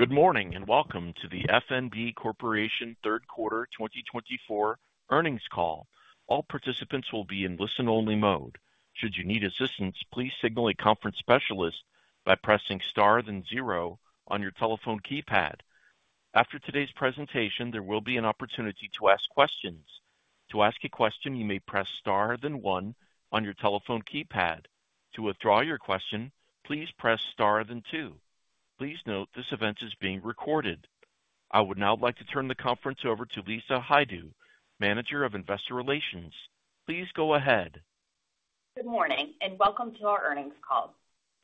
Good morning, and welcome to the FNB Corporation third quarter twenty twenty-four earnings call. All participants will be in listen-only mode. Should you need assistance, please signal a conference specialist by pressing Star, then zero on your telephone keypad. After today's presentation, there will be an opportunity to ask questions. To ask a question, you may press Star then one on your telephone keypad. To withdraw your question, please press Star, then two. Please note, this event is being recorded. I would now like to turn the conference over to Lisa Hajdu, Manager of Investor Relations. Please go ahead. Good morning, and welcome to our earnings call.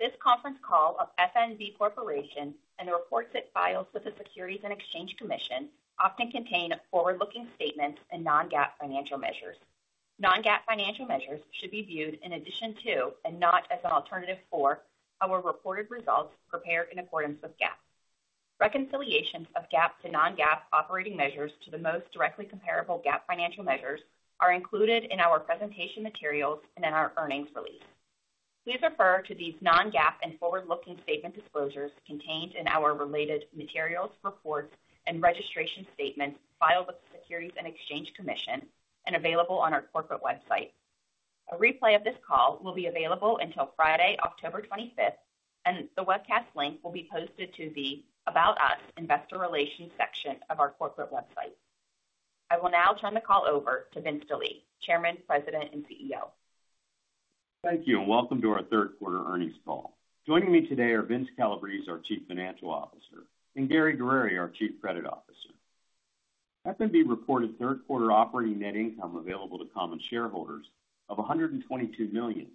This conference call of FNB Corporation and the reports it files with the Securities and Exchange Commission often contain forward-looking statements and non-GAAP financial measures. Non-GAAP financial measures should be viewed in addition to and not as an alternative for our reported results prepared in accordance with GAAP. Reconciliations of GAAP to non-GAAP operating measures to the most directly comparable GAAP financial measures are included in our presentation materials and in our earnings release. Please refer to these non-GAAP and forward-looking statement disclosures contained in our related materials, reports, and registration statements filed with the Securities and Exchange Commission and available on our corporate website. A replay of this call will be available until Friday, October twenty-fifth, and the webcast link will be posted to the About Us investor relations section of our corporate website. I will now turn the call over to Vince Delie, Chairman, President, and CEO. Thank you, and welcome to our third quarter earnings call. Joining me today are Vince Calabrese, our Chief Financial Officer, and Gary Guerreri, our Chief Credit Officer. FNB reported third quarter operating net income available to common shareholders of $122 million,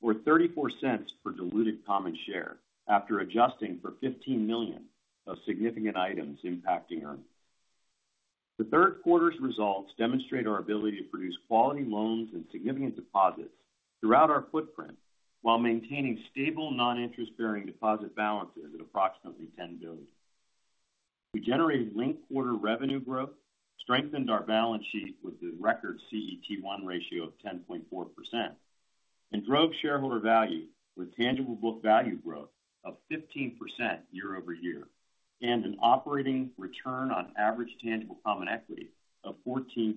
or $0.34 per diluted common share, after adjusting for $15 million of significant items impacting earnings. The third quarter's results demonstrate our ability to produce quality loans and significant deposits throughout our footprint, while maintaining stable non-interest-bearing deposit balances at approximately $10 billion. We generated linked quarter revenue growth, strengthened our balance sheet with the record CET1 ratio of 10.4%, and drove shareholder value with tangible book value growth of 15% year over year, and an operating return on average tangible common equity of 14%.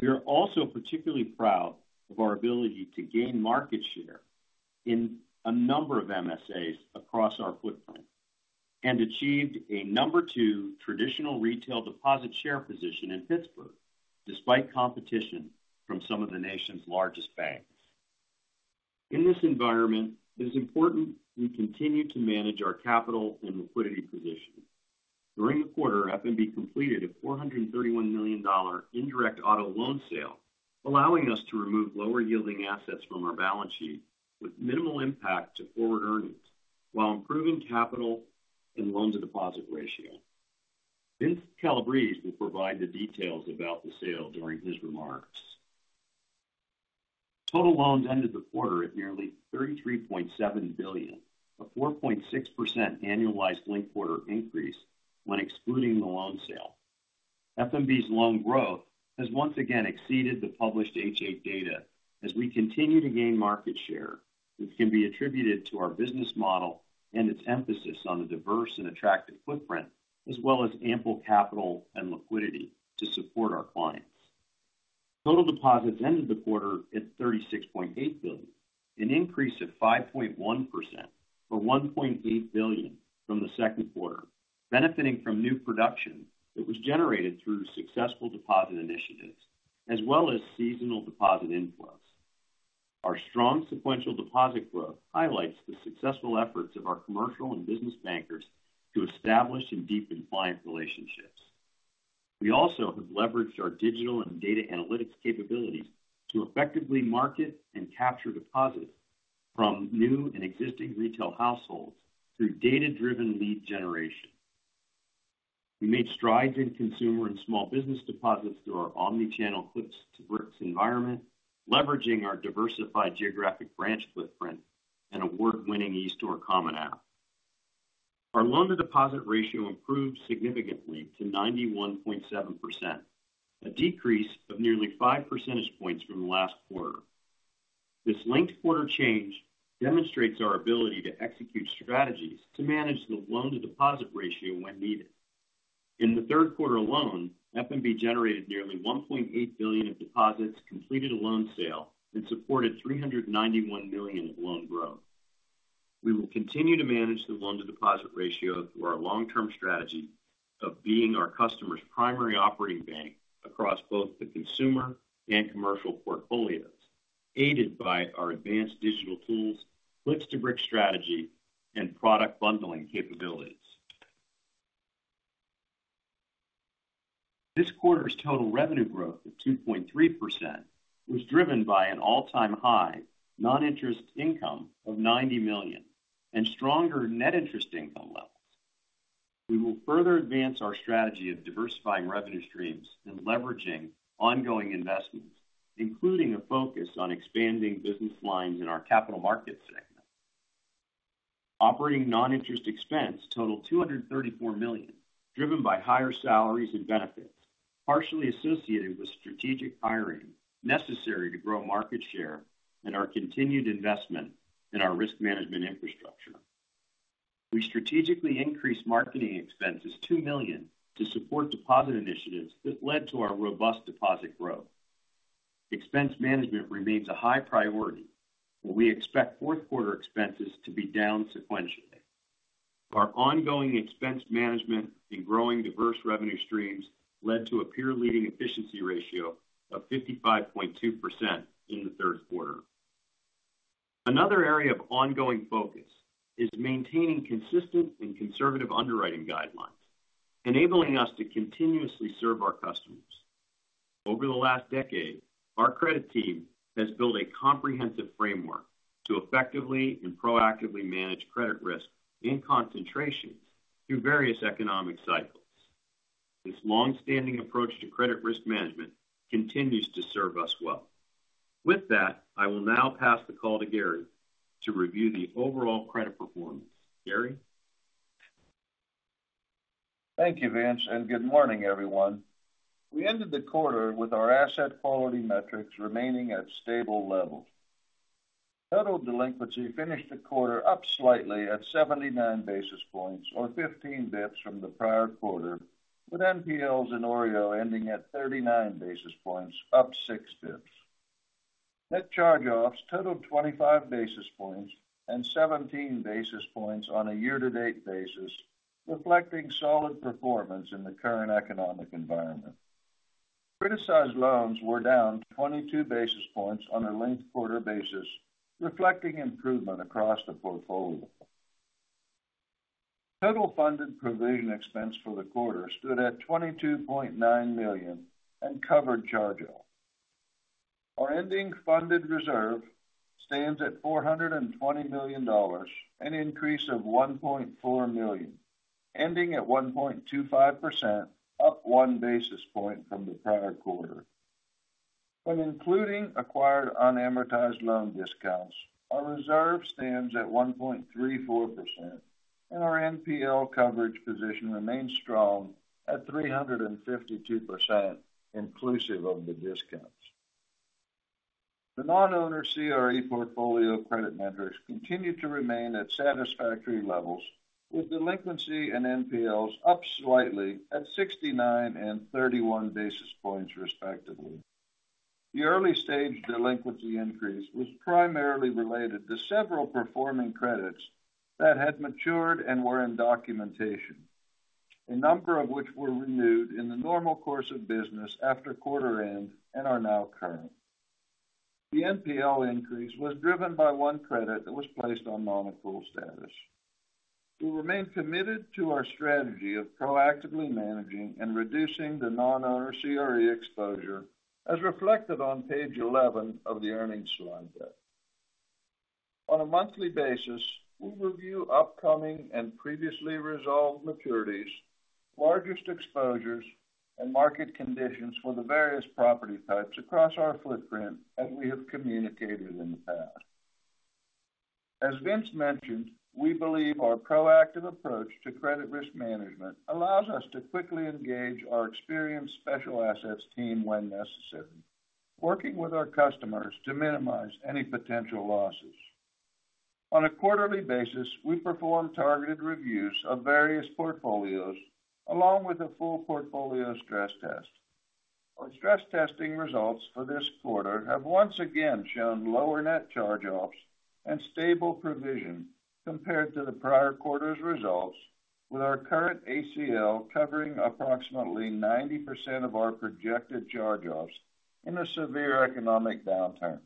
We are also particularly proud of our ability to gain market share in a number of MSAs across our footprint and achieved a number two traditional retail deposit share position in Pittsburgh, despite competition from some of the nation's largest banks. In this environment, it is important we continue to manage our capital and liquidity position. During the quarter, FNB completed a $431 million indirect auto loan sale, allowing us to remove lower yielding assets from our balance sheet with minimal impact to forward earnings, while improving capital and loan-to-deposit ratio. Vince Calabrese will provide the details about the sale during his remarks. Total loans ended the quarter at nearly $33.7 billion, a 4.6% annualized linked quarter increase when excluding the loan sale. FNB's loan growth has once again exceeded the published HH data as we continue to gain market share, which can be attributed to our business model and its emphasis on a diverse and attractive footprint, as well as ample capital and liquidity to support our clients. Total deposits ended the quarter at $36.8 billion, an increase of 5.1%, or $1.8 billion from the second quarter, benefiting from new production that was generated through successful deposit initiatives as well as seasonal deposit inflows. Our strong sequential deposit growth highlights the successful efforts of our commercial and business bankers to establish and deepen client relationships. We also have leveraged our digital and data analytics capabilities to effectively market and capture deposits from new and existing retail households through data-driven lead generation. We made strides in consumer and small business deposits through our omni-channel clicks-to-bricks environment, leveraging our diversified geographic branch footprint and award-winning eStore Common App. Our loan-to-deposit ratio improved significantly to 91.7%, a decrease of nearly five percentage points from last quarter. This linked quarter change demonstrates our ability to execute strategies to manage the loan-to-deposit ratio when needed. In the third quarter alone, FNB generated nearly $1.8 billion of deposits, completed a loan sale, and supported $391 million of loan growth. We will continue to manage the loan-to-deposit ratio through our long-term strategy of being our customers' primary operating bank across both the consumer and commercial portfolios, aided by our advanced digital tools, clicks-to-bricks strategy, and product bundling capabilities. This quarter's total revenue growth of 2.3% was driven by an all-time high non-interest income of $90 million and stronger net interest income levels. We will further advance our strategy of diversifying revenue streams and leveraging ongoing investments, including a focus on expanding business lines in our capital markets segment. Operating non-interest expense totaled $234 million, driven by higher salaries and benefits, partially associated with strategic hiring necessary to grow market share and our continued investment in our risk management infrastructure. We strategically increased marketing expenses $2 million to support deposit initiatives that led to our robust deposit growth. Expense management remains a high priority, and we expect fourth quarter expenses to be down sequentially. Our ongoing expense management in growing diverse revenue streams led to a peer-leading efficiency ratio of 55.2% in the third quarter. Another area of ongoing focus is maintaining consistent and conservative underwriting guidelines, enabling us to continuously serve our customers. Over the last decade, our credit team has built a comprehensive framework to effectively and proactively manage credit risk in concentrations through various economic cycles. This long-standing approach to credit risk management continues to serve us well. With that, I will now pass the call to Gary to review the overall credit performance. Gary? Thank you, Vince, and good morning, everyone. We ended the quarter with our asset quality metrics remaining at stable levels. Total delinquency finished the quarter up slightly at 79 basis points, or 15 basis points from the prior quarter, with NPLs and OREO ending at 39 basis points, up 6 basis points. Net charge-offs totaled 25 basis points and 17 basis points on a year-to-date basis, reflecting solid performance in the current economic environment. Criticized loans were down 22 basis points on a linked quarter basis, reflecting improvement across the portfolio. Total funded provision expense for the quarter stood at $22.9 million and covered charge-off. Our ending funded reserve stands at $420 million, an increase of $1.4 million, ending at 1.25%, up 1 basis point from the prior quarter. When including acquired unamortized loan discounts, our reserve stands at 1.34%, and our NPL coverage position remains strong at 352%, inclusive of the discounts. The non-owner CRE portfolio credit metrics continue to remain at satisfactory levels, with delinquency and NPLs up slightly at 69 and 31 basis points, respectively. The early-stage delinquency increase was primarily related to several performing credits that had matured and were in documentation, a number of which were renewed in the normal course of business after quarter end and are now current. The NPL increase was driven by one credit that was placed on non-accrual status. We remain committed to our strategy of proactively managing and reducing the non-owner CRE exposure, as reflected on page 11 of the earnings slide deck. On a monthly basis, we review upcoming and previously resolved maturities, largest exposures, and market conditions for the various property types across our footprint, as we have communicated in the past. As Vince mentioned, we believe our proactive approach to credit risk management allows us to quickly engage our experienced special assets team when necessary, working with our customers to minimize any potential losses. On a quarterly basis, we perform targeted reviews of various portfolios along with a full portfolio stress test. Our stress testing results for this quarter have once again shown lower net charge-offs and stable provision compared to the prior quarter's results, with our current ACL covering approximately 90% of our projected charge-offs in a severe economic downturn.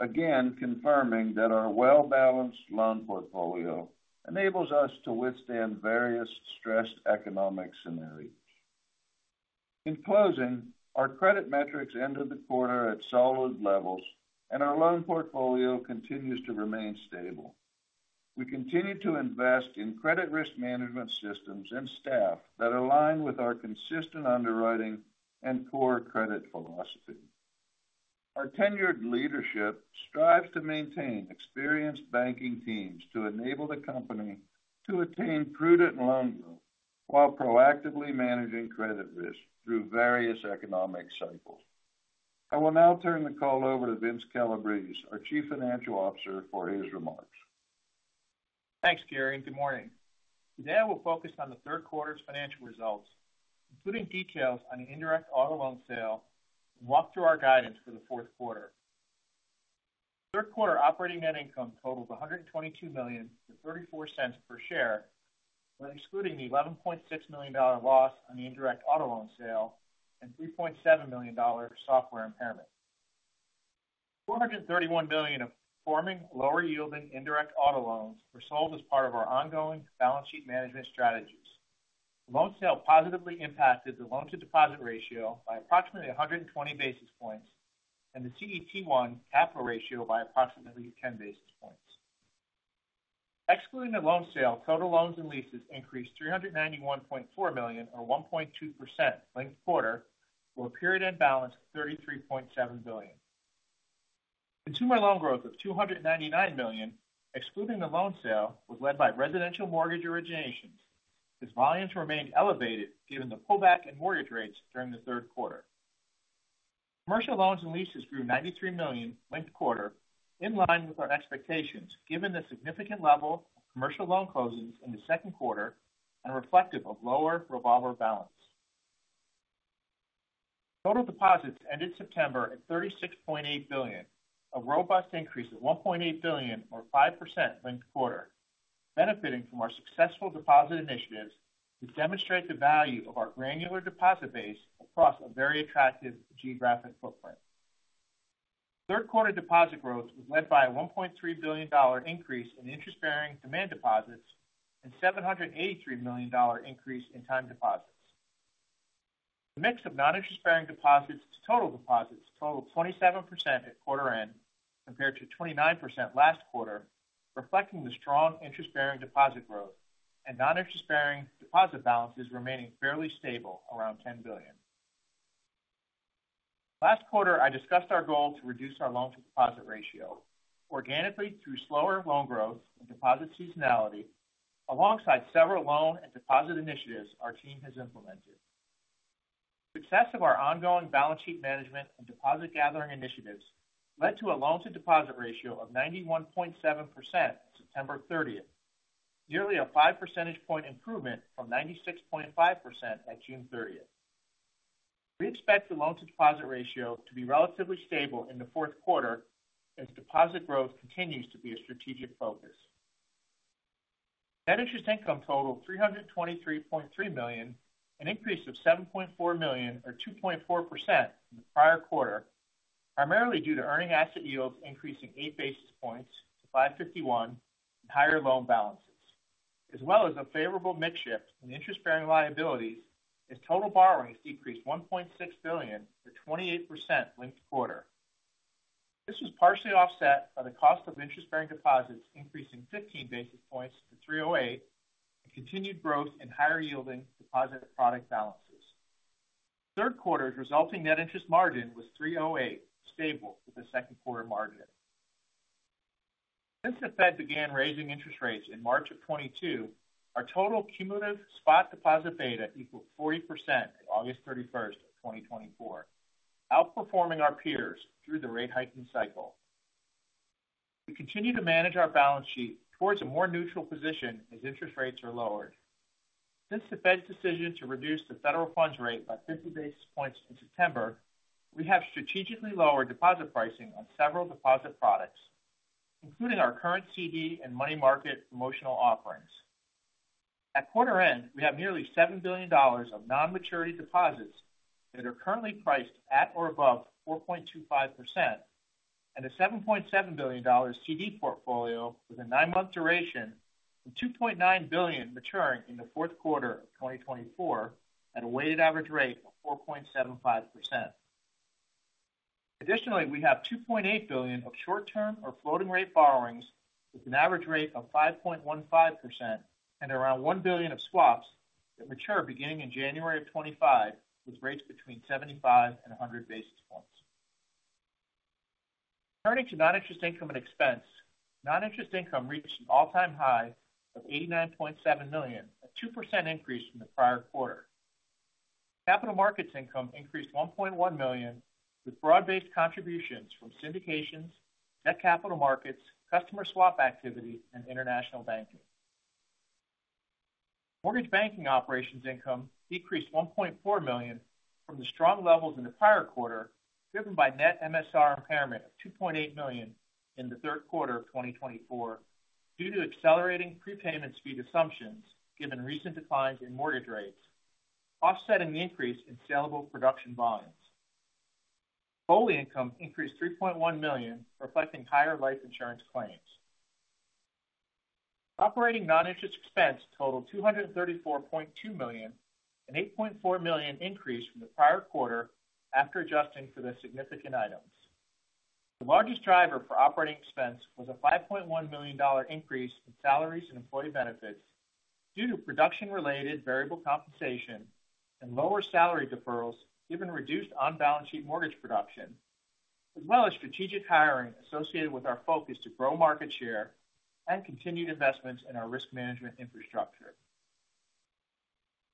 Again, confirming that our well-balanced loan portfolio enables us to withstand various stressed economic scenarios. In closing, our credit metrics ended the quarter at solid levels, and our loan portfolio continues to remain stable. We continue to invest in credit risk management systems and staff that align with our consistent underwriting and core credit philosophy. Our tenured leadership strives to maintain experienced banking teams to enable the company to attain prudent loan growth while proactively managing credit risk through various economic cycles. I will now turn the call over to Vince Calabrese, our Chief Financial Officer, for his remarks. Thanks, Gary, and good morning. Today, I will focus on the third quarter's financial results, including details on the indirect auto loan sale, and walk through our guidance for the fourth quarter. Third quarter operating net income totaled $122 million to 34 cents per share, when excluding the $11.6 million loss on the indirect auto loan sale and $3.7 million software impairment. $431 million of performing lower-yielding indirect auto loans were sold as part of our ongoing balance sheet management strategies. The loan sale positively impacted the loan-to-deposit ratio by approximately 120 basis points, and the CET1 capital ratio by approximately 10 basis points. Excluding the loan sale, total loans and leases increased $391.4 million, or 1.2% linked quarter, to a period end balance of $33.7 billion. Consumer loan growth of $299 million, excluding the loan sale, was led by residential mortgage originations, as volumes remained elevated given the pullback in mortgage rates during the third quarter. Commercial loans and leases grew $93 million linked quarter, in line with our expectations, given the significant level of commercial loan closes in the second quarter and reflective of lower revolver balance. Total deposits ended September at $36.8 billion, a robust increase of $1.8 billion, or 5% linked quarter, benefiting from our successful deposit initiatives, which demonstrate the value of our granular deposit base across a very attractive geographic footprint. Third quarter deposit growth was led by a $1.3 billion increase in interest-bearing demand deposits and $783 million increase in time deposits. The mix of non-interest-bearing deposits to total deposits totaled 27% at quarter end, compared to 29% last quarter, reflecting the strong interest-bearing deposit growth and non-interest-bearing deposit balances remaining fairly stable around $10 billion. Last quarter, I discussed our goal to reduce our loan-to-deposit ratio organically through slower loan growth and deposit seasonality, alongside several loan and deposit initiatives our team has implemented. Success of our ongoing balance sheet management and deposit gathering initiatives led to a loan-to-deposit ratio of 91.7% September thirtieth, nearly a five percentage point improvement from 96.5% at June thirtieth. We expect the loan-to-deposit ratio to be relatively stable in the fourth quarter as deposit growth continues to be a strategic focus. Net interest income totaled $323.3 million, an increase of $7.4 million, or 2.4% from the prior quarter, primarily due to earning asset yields increasing eight basis points to 5.51% and higher loan balances, as well as a favorable mix shift in interest-bearing liabilities as total borrowings decreased $1.6 billion to 28% linked quarter. This was partially offset by the cost of interest-bearing deposits increasing fifteen basis points to 3.08%, and continued growth in higher yielding deposit product balances. Third quarter's resulting net interest margin was 3.08%, stable with the second quarter margin. Since the Fed began raising interest rates in March of 2022, our total cumulative spot deposit beta equaled 40% at August 31st, 2024, outperforming our peers through the rate hiking cycle. We continue to manage our balance sheet towards a more neutral position as interest rates are lowered. Since the Fed's decision to reduce the federal funds rate by fifty basis points in September, we have strategically lowered deposit pricing on several deposit products, including our current CD and money market promotional offerings. At quarter end, we have nearly $7 billion of non-maturity deposits that are currently priced at or above 4.25%, and a $7.7 billion CD portfolio with a nine-month duration and $2.9 billion maturing in the fourth quarter of 2024, at a weighted average rate of 4.75%. Additionally, we have $2.8 billion of short-term or floating rate borrowings, with an average rate of 5.15% and around $1 billion of swaps that mature beginning in January of 2025, with rates between 75 and 100 basis points. Turning to non-interest income and expense. Non-interest income reached an all-time high of $89.7 million, a 2% increase from the prior quarter. Capital markets income increased $1.1 million, with broad-based contributions from syndications, net capital markets, customer swap activity, and international banking. Mortgage banking operations income decreased $1.4 million from the strong levels in the prior quarter, driven by net MSR impairment of $2.8 million in the third quarter of 2024 due to accelerating prepayment speed assumptions, given recent declines in mortgage rates, offsetting the increase in saleable production volumes. Total income increased $3.1 million, reflecting higher life insurance claims. Operating non-interest expense totaled $234.2 million, an $8.4 million increase from the prior quarter after adjusting for the significant items. The largest driver for operating expense was a $5.1 million increase in salaries and employee benefits due to production-related variable compensation and lower salary deferrals, given reduced on-balance sheet mortgage production, as well as strategic hiring associated with our focus to grow market share and continued investments in our risk management infrastructure.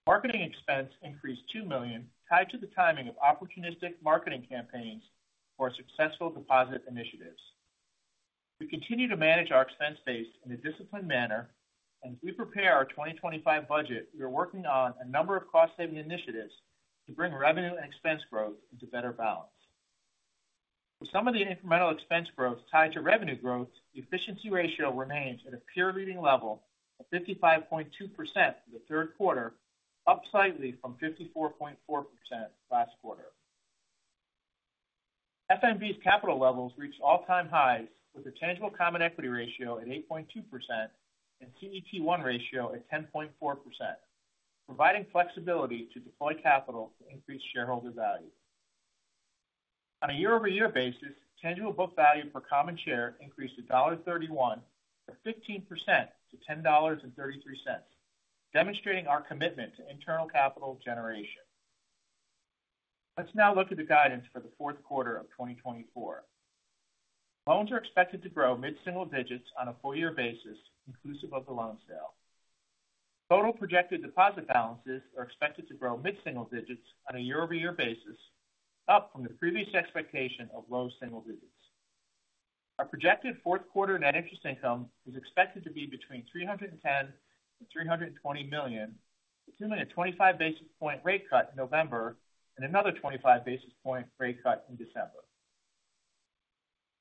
Marketing expense increased $2 million, tied to the timing of opportunistic marketing campaigns for successful deposit initiatives. We continue to manage our expense base in a disciplined manner, and as we prepare our 2025 budget, we are working on a number of cost-saving initiatives to bring revenue and expense growth into better balance. With some of the incremental expense growth tied to revenue growth, the efficiency ratio remains at a peer-leading level of 55.2% for the third quarter, up slightly from 54.4% last quarter. FNB's capital levels reached all-time highs, with a tangible common equity ratio at 8.2% and CET1 ratio at 10.4%, providing flexibility to deploy capital to increase shareholder value. On a year-over-year basis, tangible book value per common share increased to $10.31, or 15% to $10.33, demonstrating our commitment to internal capital generation.... Let's now look at the guidance for the fourth quarter of 2024. Loans are expected to grow mid-single digits on a full year basis, inclusive of the loan sale. Total projected deposit balances are expected to grow mid-single digits on a year-over-year basis, up from the previous expectation of low single digits. Our projected fourth quarter net interest income is expected to be between $310 million and $320 million, assuming a 25 basis points rate cut in November and another 25 basis points rate cut in December.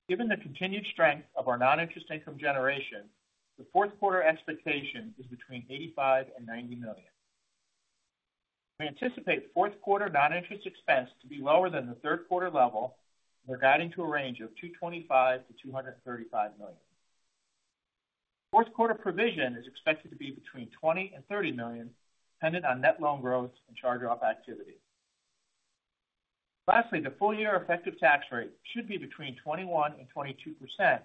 Given the continued strength of our non-interest income generation, the fourth quarter expectation is between $85 million and $90 million. We anticipate fourth quarter non-interest expense to be lower than the third quarter level, and we're guiding to a range of $225 million to $235 million. Fourth quarter provision is expected to be between $20 million and $30 million, dependent on net loan growth and charge-off activity. Lastly, the full-year effective tax rate should be between 21% and 22%,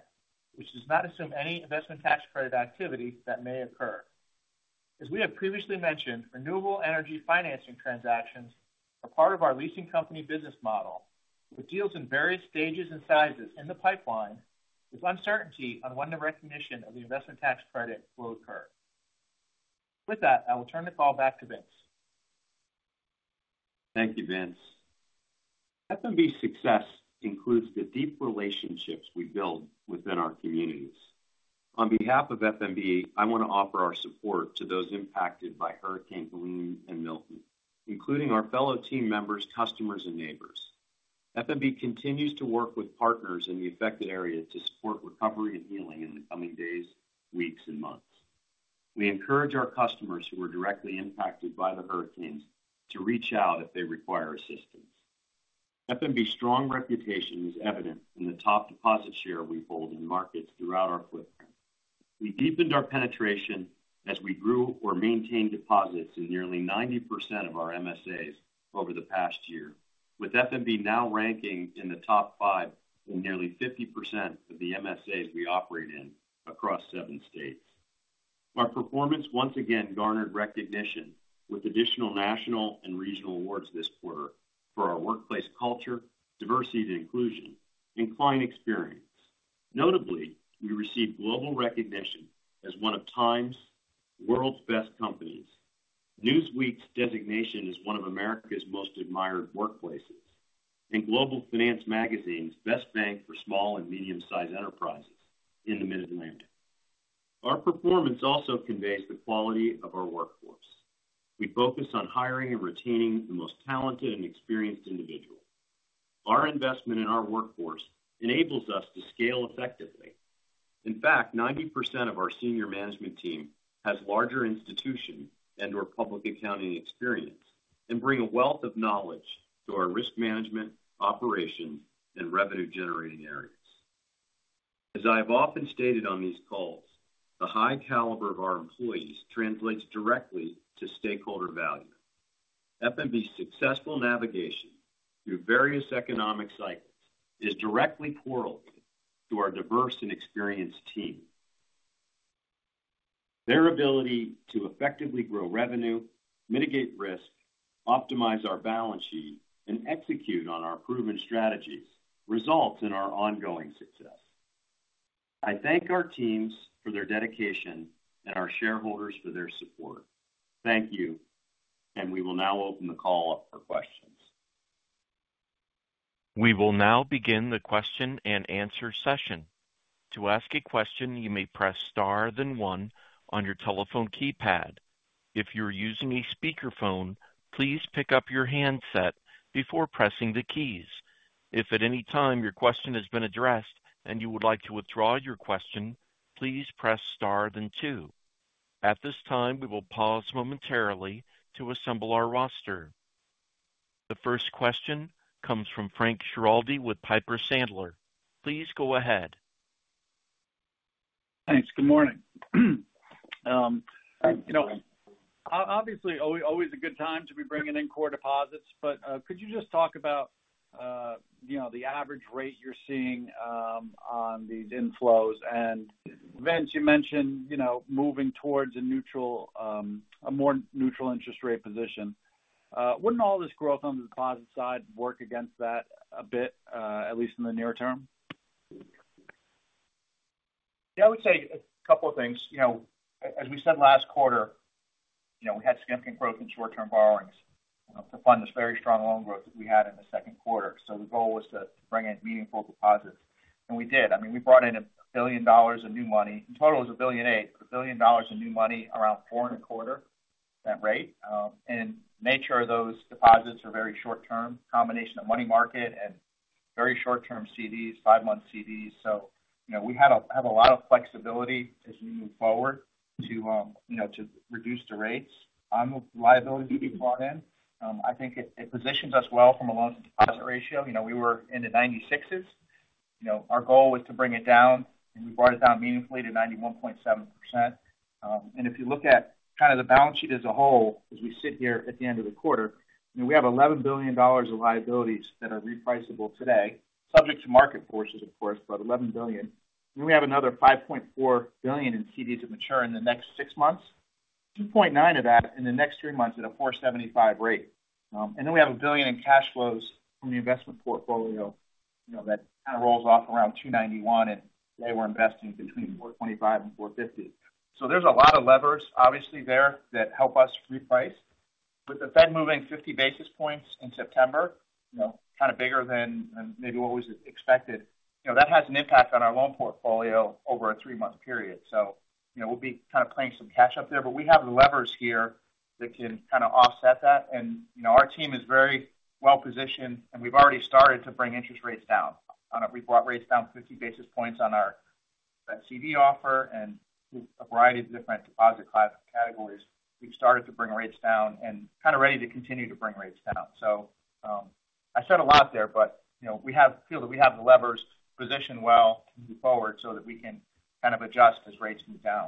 which does not assume any Investment Tax Credit activity that may occur. As we have previously mentioned, renewable energy financing transactions are part of our leasing company business model, with deals in various stages and sizes in the pipeline, with uncertainty on when the recognition of the Investment Tax Credit will occur. With that, I will turn the call back to Vince. Thank you, Vince. FNB's success includes the deep relationships we build within our communities. On behalf of FNB, I want to offer our support to those impacted by Hurricane Helene and Milton, including our fellow team members, customers, and neighbors. FNB continues to work with partners in the affected area to support recovery and healing in the coming days, weeks, and months. We encourage our customers who are directly impacted by the hurricanes to reach out if they require assistance. FNB's strong reputation is evident in the top deposit share we hold in markets throughout our footprint. We deepened our penetration as we grew or maintained deposits in nearly 90% of our MSAs over the past year, with FNB now ranking in the top five in nearly 50% of the MSAs we operate in across seven states. Our performance once again garnered recognition with additional national and regional awards this quarter for our workplace culture, diversity and inclusion, and client experience. Notably, we received global recognition as one of Time's World's Best Companies, Newsweek's designation as one of America's Most Admired Workplaces, and Global Finance Magazine's Best Bank for Small and Medium-Sized Enterprises in the Mid-Atlantic. Our performance also conveys the quality of our workforce. We focus on hiring and retaining the most talented and experienced individuals. Our investment in our workforce enables us to scale effectively. In fact, 90% of our senior management team has larger institution and/or public accounting experience and bring a wealth of knowledge to our risk management, operation, and revenue-generating areas. As I have often stated on these calls, the high caliber of our employees translates directly to stakeholder value. FNB's successful navigation through various economic cycles is directly correlated to our diverse and experienced team. Their ability to effectively grow revenue, mitigate risk, optimize our balance sheet, and execute on our proven strategies results in our ongoing success. I thank our teams for their dedication and our shareholders for their support. Thank you, and we will now open the call up for questions. We will now begin the question-and-answer session. To ask a question, you may press Star, then one on your telephone keypad. If you're using a speakerphone, please pick up your handset before pressing the keys. If at any time your question has been addressed and you would like to withdraw your question, please press Star then two. At this time, we will pause momentarily to assemble our roster. The first question comes from Frank Schiraldi with Piper Sandler. Please go ahead. Thanks. Good morning. You know, obviously, always a good time to be bringing in core deposits, but could you just talk about, you know, the average rate you're seeing on these inflows? And Vince, you mentioned, you know, moving towards a neutral, a more neutral interest rate position. Wouldn't all this growth on the deposit side work against that a bit, at least in the near term? Yeah, I would say a couple of things. You know, as we said last quarter, you know, we had significant growth in short-term borrowings, you know, to fund this very strong loan growth that we had in the second quarter. So the goal was to bring in meaningful deposits, and we did. I mean, we brought in $1 billion of new money. In total, it was $1.008 billion, $1 billion in new money, around 4.25%, that rate. And the nature of those deposits are very short term, combination of money market and very short-term CDs, five-month CDs. So, you know, we have a lot of flexibility as we move forward to, you know, to reduce the rates on the liabilities we brought in. I think it positions us well from a loan-to-deposit ratio. You know, we were in the 96s. You know, our goal was to bring it down, and we brought it down meaningfully to 91.7%. And if you look at kind of the balance sheet as a whole, as we sit here at the end of the quarter, you know, we have $11 billion of liabilities that are repriceable today, subject to market forces, of course, but $11 billion. And we have another $5.4 billion in CDs that mature in the next six months.... 2.9 of that in the next three months at a 4.75 rate. And then we have $1 billion in cash flows from the investment portfolio, you know, that kind of rolls off around 2.91, and today we're investing between 4.25 and 4.50. So there's a lot of levers, obviously, there that help us reprice. With the Fed moving 50 basis points in September, you know, kind of bigger than than maybe what was expected, you know, that has an impact on our loan portfolio over a three-month period. So, you know, we'll be kind of playing some catch up there, but we have levers here that can kind of offset that. And, you know, our team is very well positioned, and we've already started to bring interest rates down. I don't know, we've brought rates down 50 basis points on our CD offer and a variety of different deposit class categories. We've started to bring rates down and kind of ready to continue to bring rates down. So, I said a lot there, but, you know, we feel that we have the levers positioned well moving forward so that we can kind of adjust as rates move down.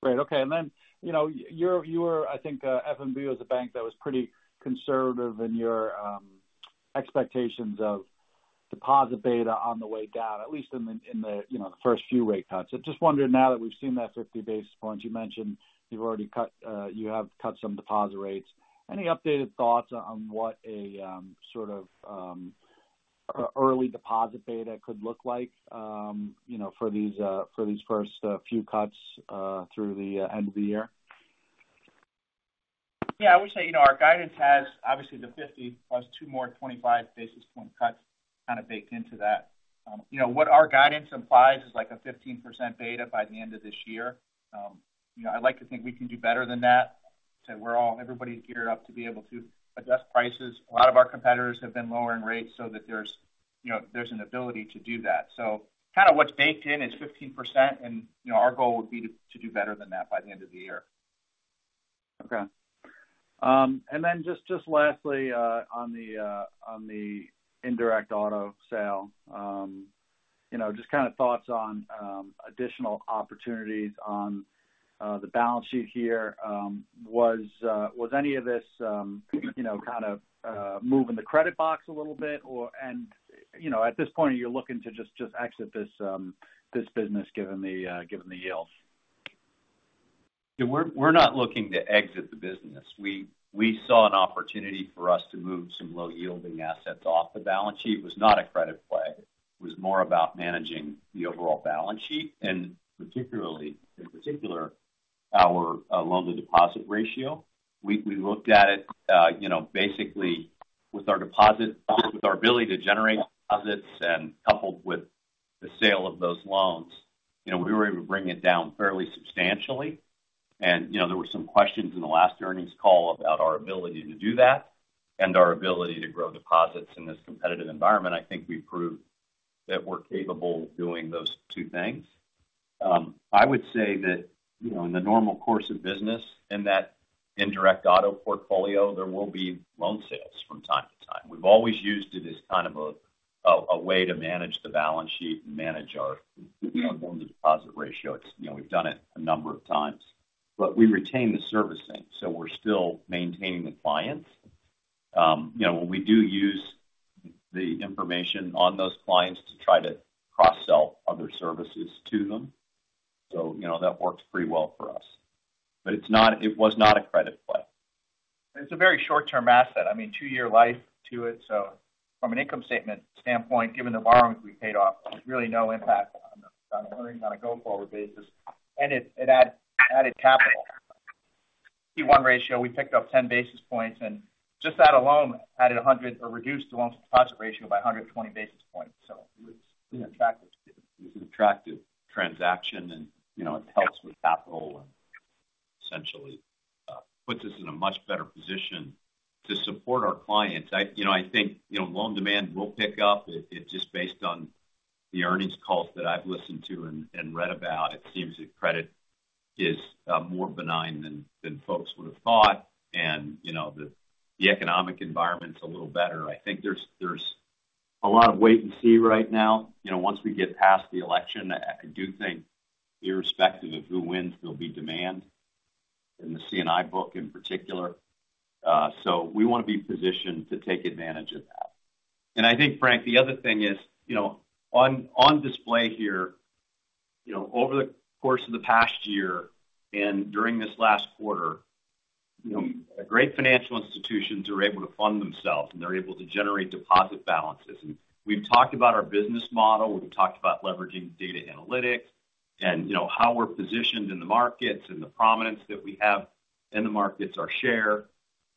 Great. Okay. And then, you know, your, your—I think, FNB was a bank that was pretty conservative in your expectations of deposit beta on the way down, at least in the, you know, the first few rate cuts. I just wondered, now that we've seen that 50 basis points, you mentioned you've already cut, you have cut some deposit rates. Any updated thoughts on what a, sort of, early deposit beta could look like, you know, for these, for these first, few cuts, through the end of the year? Yeah, I would say, you know, our guidance has obviously the 50 plus two more 25 basis point cuts kind of baked into that. You know, what our guidance implies is like a 15% beta by the end of this year. You know, I'd like to think we can do better than that. So we're all, everybody's geared up to be able to adjust prices. A lot of our competitors have been lowering rates so that there's, you know, there's an ability to do that. So kind of what's baked in is 15%, and, you know, our goal would be to, to do better than that by the end of the year. Okay. And then just lastly, on the indirect auto sale, you know, just kind of thoughts on additional opportunities on the balance sheet here. Was any of this, you know, kind of moving the credit box a little bit? Or, and, you know, at this point, are you looking to just exit this business, given the yields? Yeah, we're not looking to exit the business. We saw an opportunity for us to move some low-yielding assets off the balance sheet. It was not a credit play. It was more about managing the overall balance sheet, and particularly, in particular, our loan-to-deposit ratio. We looked at it, you know, basically with our ability to generate deposits and coupled with the sale of those loans, you know, we were able to bring it down fairly substantially. You know, there were some questions in the last earnings call about our ability to do that and our ability to grow deposits in this competitive environment. I think we proved that we're capable of doing those two things. I would say that, you know, in the normal course of business, in that indirect auto portfolio, there will be loan sales from time to time. We've always used it as kind of a way to manage the balance sheet and manage our loan to deposit ratio. You know, we've done it a number of times. But we retain the servicing, so we're still maintaining the clients. You know, we do use the information on those clients to try to cross-sell other services to them. So, you know, that works pretty well for us. But it's not. It was not a credit play. It's a very short-term asset. I mean, two-year life to it. So from an income statement standpoint, given the loans we paid off, there's really no impact on a go-forward basis, and it added capital. One ratio, we picked up 10 basis points, and just that alone added 100 or reduced the loan-to-deposit ratio by 120 basis points. So it's attractive. It's an attractive transaction and, you know, it helps with capital and essentially puts us in a much better position to support our clients. I, you know, I think, you know, loan demand will pick up. It just based on the earnings calls that I've listened to and read about, it seems that credit is more benign than folks would have thought, and, you know, the economic environment's a little better. I think there's a lot of wait and see right now. You know, once we get past the election, I do think irrespective of who wins, there'll be demand in the C&I book in particular. So we want to be positioned to take advantage of that. I think, Frank, the other thing is, you know, on display here, you know, over the course of the past year and during this last quarter, you know, great financial institutions are able to fund themselves, and they're able to generate deposit balances. We've talked about our business model. We've talked about leveraging data analytics, and, you know, how we're positioned in the markets and the prominence that we have in the markets, our share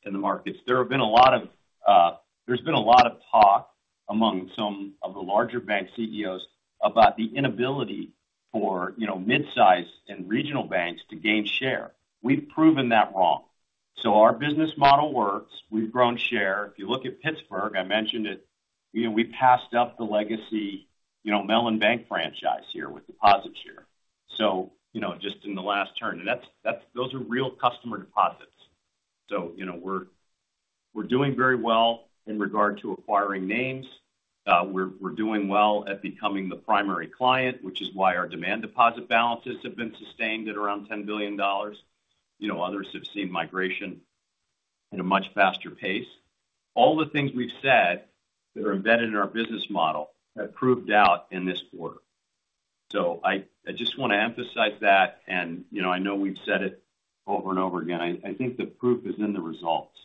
in the markets. There have been a lot of, there's been a lot of talk among some of the larger bank CEOs about the inability for, you know, mid-sized and regional banks to gain share. We've proven that wrong. Our business model works. We've grown share. If you look at Pittsburgh, I mentioned it, you know, we passed up the legacy, you know, Mellon Bank franchise here with deposit share. So, you know, just in the last term, and that's – those are real customer deposits. So, you know, we're doing very well in regard to acquiring names. We're doing well at becoming the primary client, which is why our demand deposit balances have been sustained at around $10 billion. You know, others have seen migration in a much faster pace. All the things we've said that are embedded in our business model have proved out in this quarter. So I just want to emphasize that, and, you know, I know we've said it over and over again. I think the proof is in the results.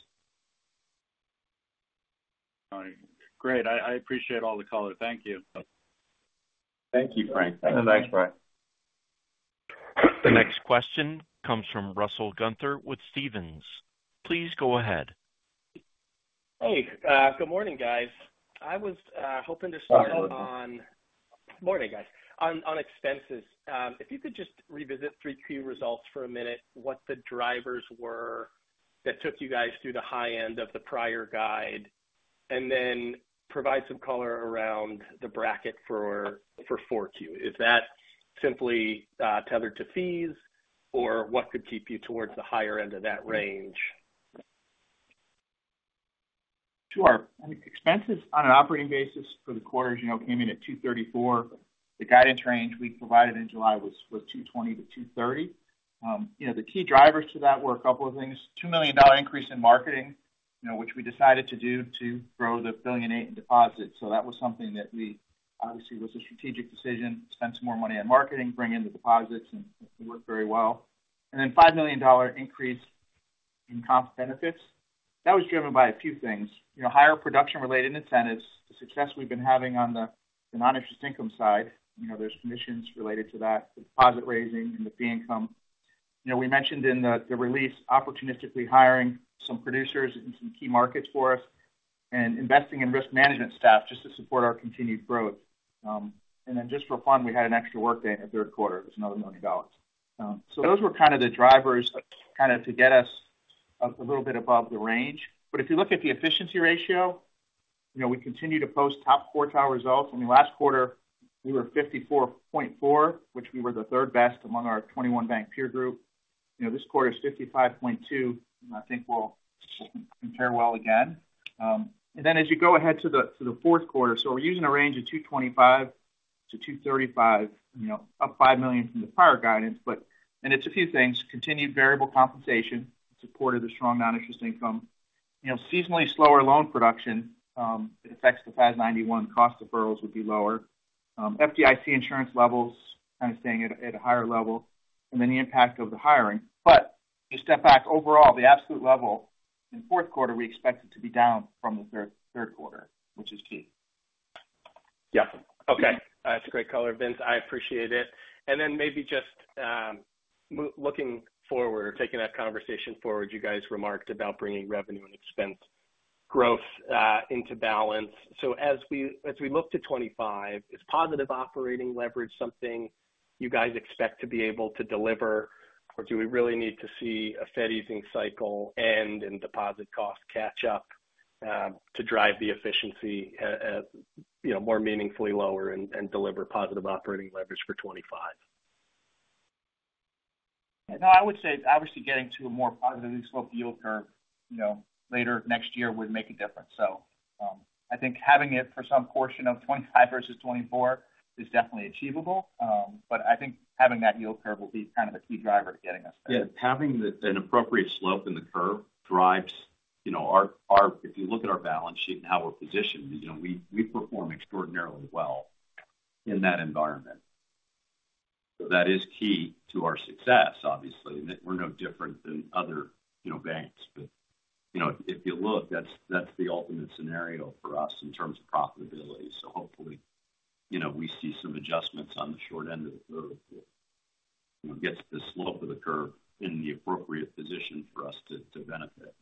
All right. Great. I appreciate all the color. Thank you. Thank you, Frank. Thanks, Frank. The next question comes from Russell Gunther with Stephens. Please go ahead. Hey, good morning, guys. I was hoping to start on- Good morning. Morning, guys. On expenses. If you could just revisit 3Q results for a minute, what the drivers were that took you guys to the high end of the prior guide, and then provide some color around the bracket for 4Q. Is that simply tethered to fees, or what could keep you towards the higher end of that range? Sure. Expenses on an operating basis for the quarter, as you know, came in at $234 million. The guidance range we provided in July was two twenty to two thirty. You know, the key drivers to that were a couple of things. $2 million increase in marketing, you know, which we decided to do to grow the $1.08 billion in deposits. So that was something that we obviously, it was a strategic decision, spend some more money on marketing, bring in the deposits, and it worked very well. And then $5 million increase in comp benefits. That was driven by a few things. You know, higher production-related incentives, the success we've been having on the, the non-interest income side, you know, there's commissions related to that, the deposit raising and the fee income. You know, we mentioned in the release, opportunistically hiring some producers in some key markets for us and investing in risk management staff just to support our continued growth. Then just for fun, we had an extra work day in the third quarter. It was another $1 million. Those were kind of the drivers, kind of to get us up a little bit above the range, but if you look at the efficiency ratio, you know, we continue to post top quartile results. In the last quarter, we were 54.4, which we were the third best among our 21 bank peer group. You know, this quarter is 55.2, and I think we'll compare well again. And then as you go ahead to the fourth quarter, so we're using a range of 225-235, you know, up $5 million from the prior guidance, but. And it's a few things, continued variable compensation, supported the strong non-interest income. You know, seasonally slower loan production, it affects the FAS 91 cost deferrals would be lower. FDIC insurance levels kind of staying at a higher level, and then the impact of the hiring. But if you step back overall, the absolute level in the fourth quarter, we expect it to be down from the third quarter, which is key. Yeah. Okay. That's a great color, Vince. I appreciate it. And then maybe just looking forward or taking that conversation forward, you guys remarked about bringing revenue and expense growth into balance. So as we look to 2025, is positive operating leverage something you guys expect to be able to deliver, or do we really need to see a Fed easing cycle end and deposit costs catch up to drive the efficiency you know more meaningfully lower and deliver positive operating leverage for 2025? No, I would say it's obviously getting to a more positively sloped yield curve, you know, later next year would make a difference, so I think having it for some portion of 2025 versus 2024 is definitely achievable, but I think having that yield curve will be kind of a key driver to getting us there. Yeah, having an appropriate slope in the curve drives, you know, our, if you look at our balance sheet and how we're positioned, you know, we perform extraordinarily well in that environment, so that is key to our success, obviously. We're no different than other, you know, banks, but, you know, if you look, that's the ultimate scenario for us in terms of profitability, so hopefully, you know, we see some adjustments on the short end of the curve that, you know, gets the slope of the curve in the appropriate position for us to benefit.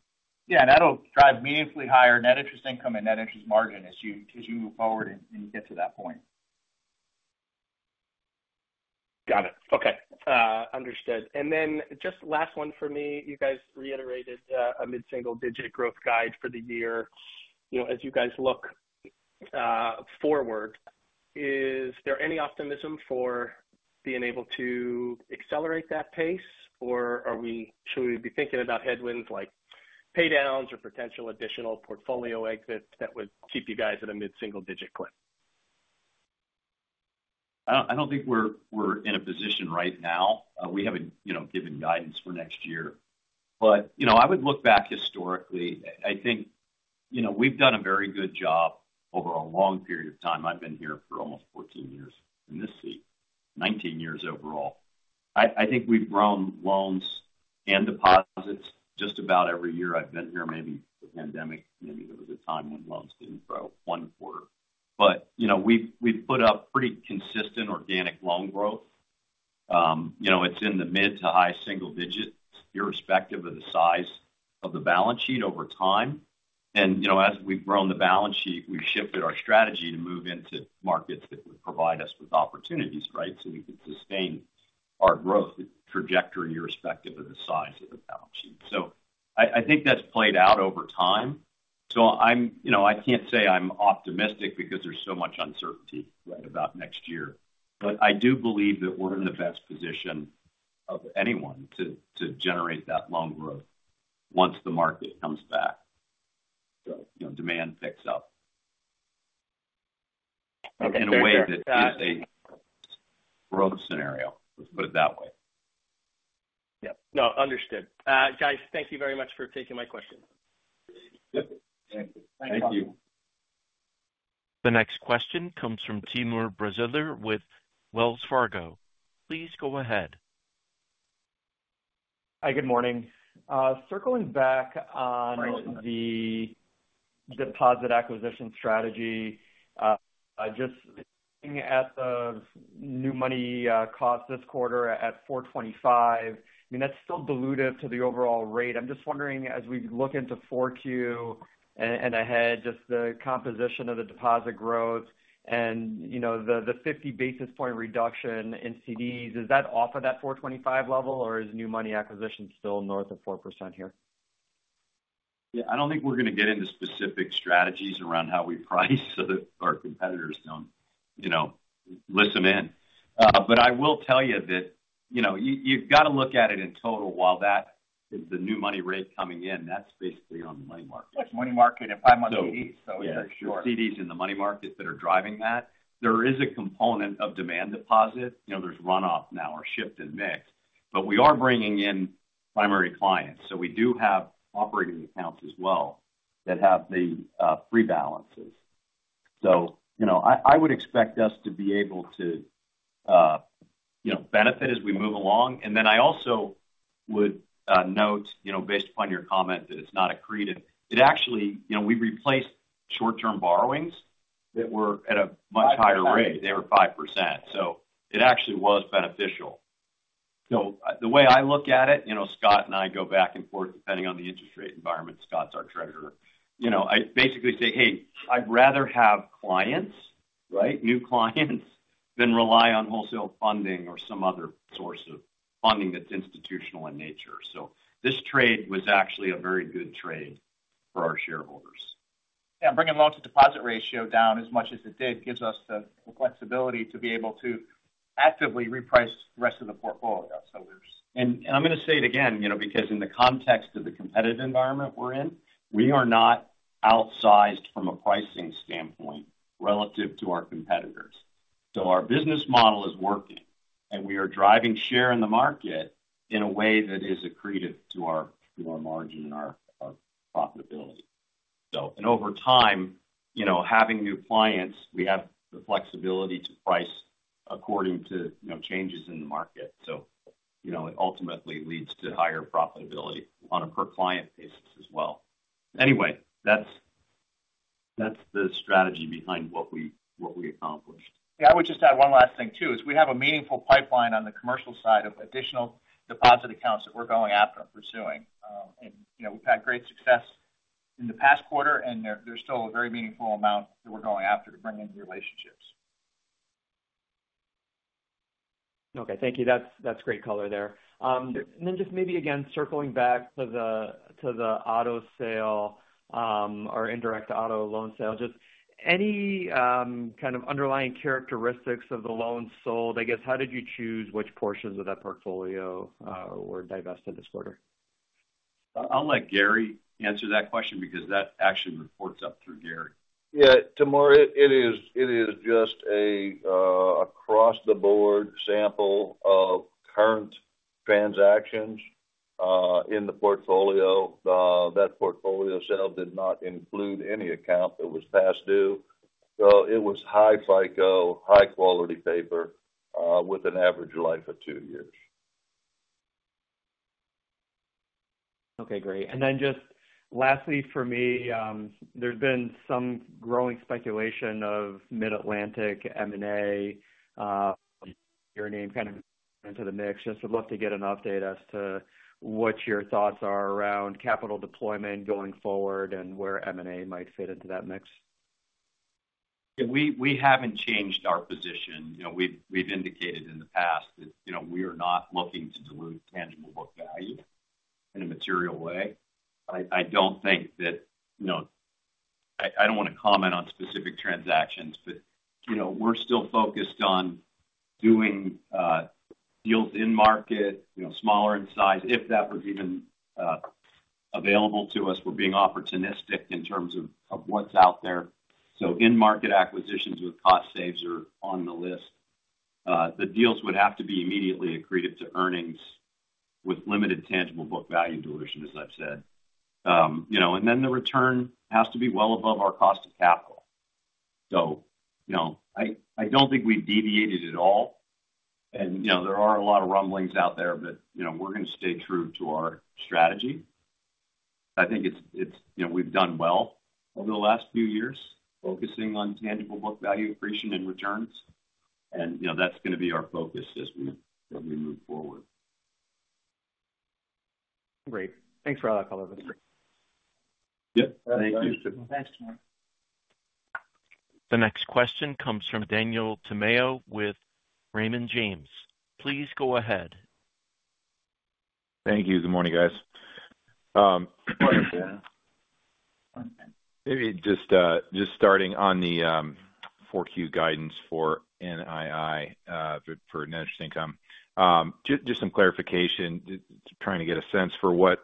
Yeah, and that'll drive meaningfully higher net interest income and net interest margin as you move forward and get to that point. Got it. Okay, understood. And then just last one for me. You guys reiterated a mid-single-digit growth guide for the year. You know, as you guys look forward, is there any optimism for being able to accelerate that pace? Or are we, should we be thinking about headwinds like pay downs or potential additional portfolio exits that would keep you guys at a mid-single digit clip? I don't think we're in a position right now. We haven't, you know, given guidance for next year, but, you know, I would look back historically. I think, you know, we've done a very good job over a long period of time. I've been here for almost fourteen years in this seat, nineteen years overall. I think we've grown loans and deposits just about every year I've been here, maybe the pandemic, maybe there was a time when loans didn't grow one quarter. But, you know, we've put up pretty consistent organic loan growth. You know, it's in the mid to high single digits, irrespective of the size of the balance sheet over time. And, you know, as we've grown the balance sheet, we've shifted our strategy to move into markets that would provide us with opportunities, right? So we could sustain our growth trajectory, irrespective of the size of the balance sheet. So I think that's played out over time. So I'm, you know, I can't say I'm optimistic because there's so much uncertainty right about next year, but I do believe that we're in the best position of anyone to generate that loan growth once the market comes back, so, you know, demand picks up... in a way that is a growth scenario, let's put it that way. Yep. No, understood. Guys, thank you very much for taking my question. Yep. Thank you. The next question comes from Timur Braziler with Wells Fargo. Please go ahead. Hi, good morning. Circling back on the deposit acquisition strategy, just looking at the new money cost this quarter at 4.25%, I mean, that's still dilutive to the overall rate. I'm just wondering, as we look into 4Q and ahead, just the composition of the deposit growth and, you know, the fifty basis points reduction in CDs, is that off of that 4.25% level, or is new money acquisition still north of 4% here? Yeah, I don't think we're going to get into specific strategies around how we price so that our competitors don't, you know, listen in, but I will tell you that, you know, you, you've got to look at it in total. While that is the new money rate coming in, that's basically on the money market. That's money market and five months of each, so it's very short. CDs in the money market that are driving that. There is a component of demand deposit. You know, there's runoff now or shift in mix, but we are bringing in primary clients, so we do have operating accounts as well that have the free balances. So, you know, I would expect us to be able to, you know, benefit as we move along. And then I also would note, you know, based upon your comment, that it's not accretive. It actually, you know, we replaced short-term borrowings that were at a much higher rate. They were 5%, so it actually was beneficial. So the way I look at it, you know, Scott and I go back and forth, depending on the interest rate environment. Scott's our treasurer. You know, I basically say, "Hey, I'd rather have clients, right, new clients, than rely on wholesale funding or some other source of funding that's institutional in nature." So this trade was actually a very good trade for our shareholders. Yeah, bringing loan to deposit ratio down as much as it did, gives us the flexibility to be able to actively reprice the rest of the portfolio. So there's- I'm going to say it again, you know, because in the context of the competitive environment we're in, we are not outsized from a pricing standpoint relative to our competitors. So our business model is working, and we are driving share in the market in a way that is accretive to our margin and our profitability. So, over time, you know, having new clients, we have the flexibility to price according to, you know, changes in the market. So, you know, it ultimately leads to higher profitability on a per client basis as well. Anyway, that's the strategy behind what we accomplished. Yeah, I would just add one last thing, too, is we have a meaningful pipeline on the commercial side of additional deposit accounts that we're going after and pursuing. You know, we've had great success in the past quarter, and there's still a very meaningful amount that we're going after to bring into the relationships. Okay, thank you. That's, that's great color there. And then just maybe again, circling back to the, to the auto sale, or indirect auto loan sale, just any kind of underlying characteristics of the loans sold? I guess, how did you choose which portions of that portfolio were divested this quarter? I'll let Gary answer that question because that actually reports up through Gary. Yeah, Timur, it is just across the board sample of current transactions in the portfolio. That portfolio sale did not include any account that was past due, so it was high FICO, high quality paper with an average life of two years. Okay, great and then just lastly for me, there's been some growing speculation of Mid-Atlantic M&A, your name kind of into the mix. Just would love to get an update as to what your thoughts are around capital deployment going forward and where M&A might fit into that mix. Yeah, we haven't changed our position. You know, we've indicated in the past that, you know, we are not looking to dilute tangible book value in a material way. I don't think that, you know, I don't want to comment on specific transactions, but, you know, we're still focused on doing deals in market, you know, smaller in size, if that was even available to us. We're being opportunistic in terms of what's out there. So in-market acquisitions with cost saves are on the list. The deals would have to be immediately accretive to earnings with limited tangible book value dilution, as I've said. You know, and then the return has to be well above our cost of capital. So, you know, I don't think we've deviated at all. You know, there are a lot of rumblings out there, but, you know, we're going to stay true to our strategy. I think it's you know, we've done well over the last few years, focusing on tangible book value, accretion, and returns, and, you know, that's going to be our focus as we move forward. Great. Thanks for all that color. Yep. Thank you. The next question comes from Daniel Tamayo with Raymond James. Please go ahead. Thank you. Good morning, guys. Maybe just starting on the Q4 guidance for NII for net interest income. Just some clarification, just trying to get a sense for what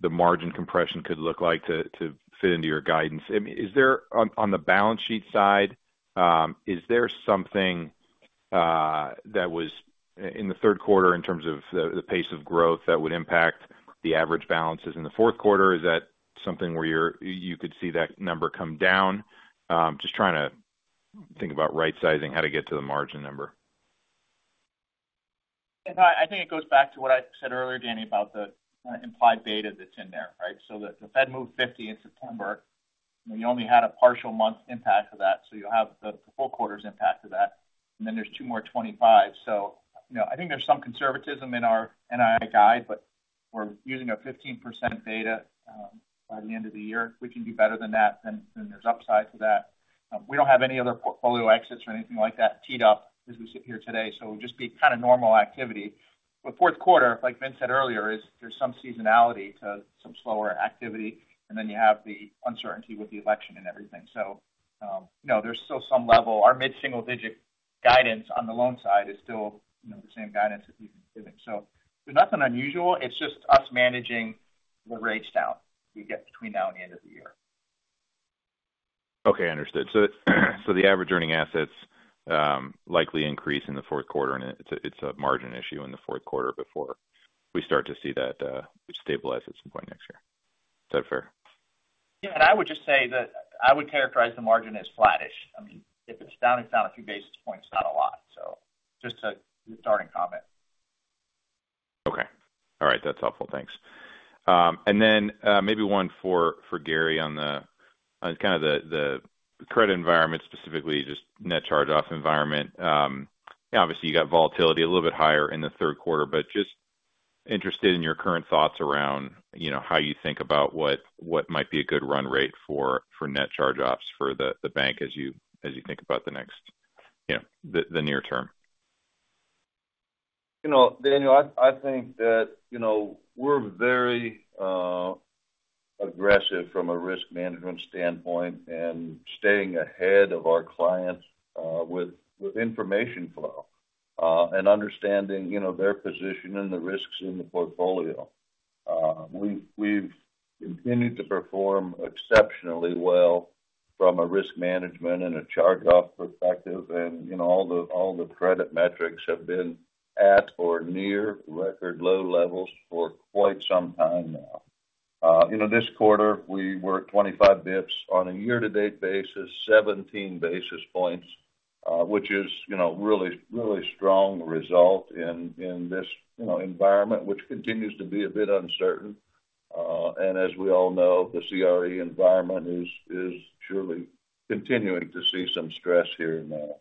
the margin compression could look like to fit into your guidance. I mean, is there on the balance sheet side, is there something that was in the third quarter in terms of the pace of growth that would impact the average balances in the fourth quarter? Is that something where you could see that number come down? Just trying to think about right-sizing, how to get to the margin number. Yeah, I think it goes back to what I said earlier, Danny, about the kind of implied beta that's in there, right? So the Fed moved 50 in September, and you only had a partial month impact of that, so you'll have the full quarter's impact of that. And then there's two more 25s. So, you know, I think there's some conservatism in our NII guide, but we're using a 15% beta by the end of the year. If we can do better than that, then there's upside to that. We don't have any other portfolio exits or anything like that teed up as we sit here today, so it'll just be kind of normal activity. But fourth quarter, like Vince said earlier, is there's some seasonality to some slower activity, and then you have the uncertainty with the election and everything. So, no, there's still some level. Our mid-single-digit guidance on the loan side is still, you know, the same guidance that we've given. So there's nothing unusual. It's just us managing the rates down we get between now and the end of the year. Okay, understood. So the average earning assets likely increase in the fourth quarter, and it's a margin issue in the fourth quarter before we start to see that stabilize at some point next year. Is that fair? Yeah, and I would just say that I would characterize the margin as flattish. I mean, if it's down, it's down a few basis points, not a lot. So just a starting comment. Okay. All right. That's helpful. Thanks. And then maybe one for Gary on the credit environment, specifically just net charge-offs environment. Obviously, you got volatility a little bit higher in the third quarter, but just interested in your current thoughts around, you know, how you think about what might be a good run rate for net charge-offs for the bank as you think about the next, you know, the near term. You know, Daniel, I think that, you know, we're very aggressive from a risk management standpoint and staying ahead of our clients with information flow and understanding, you know, their position and the risks in the portfolio. We've continued to perform exceptionally well from a risk management and a charge-off perspective. And, you know, all the credit metrics have been at or near record low levels for quite some time now. You know, this quarter, we were at twenty-five basis points. On a year-to-date basis, seventeen basis points, which is, you know, really, really strong result in this, you know, environment, which continues to be a bit uncertain. And as we all know, the CRE environment is surely continuing to see some stress here and there.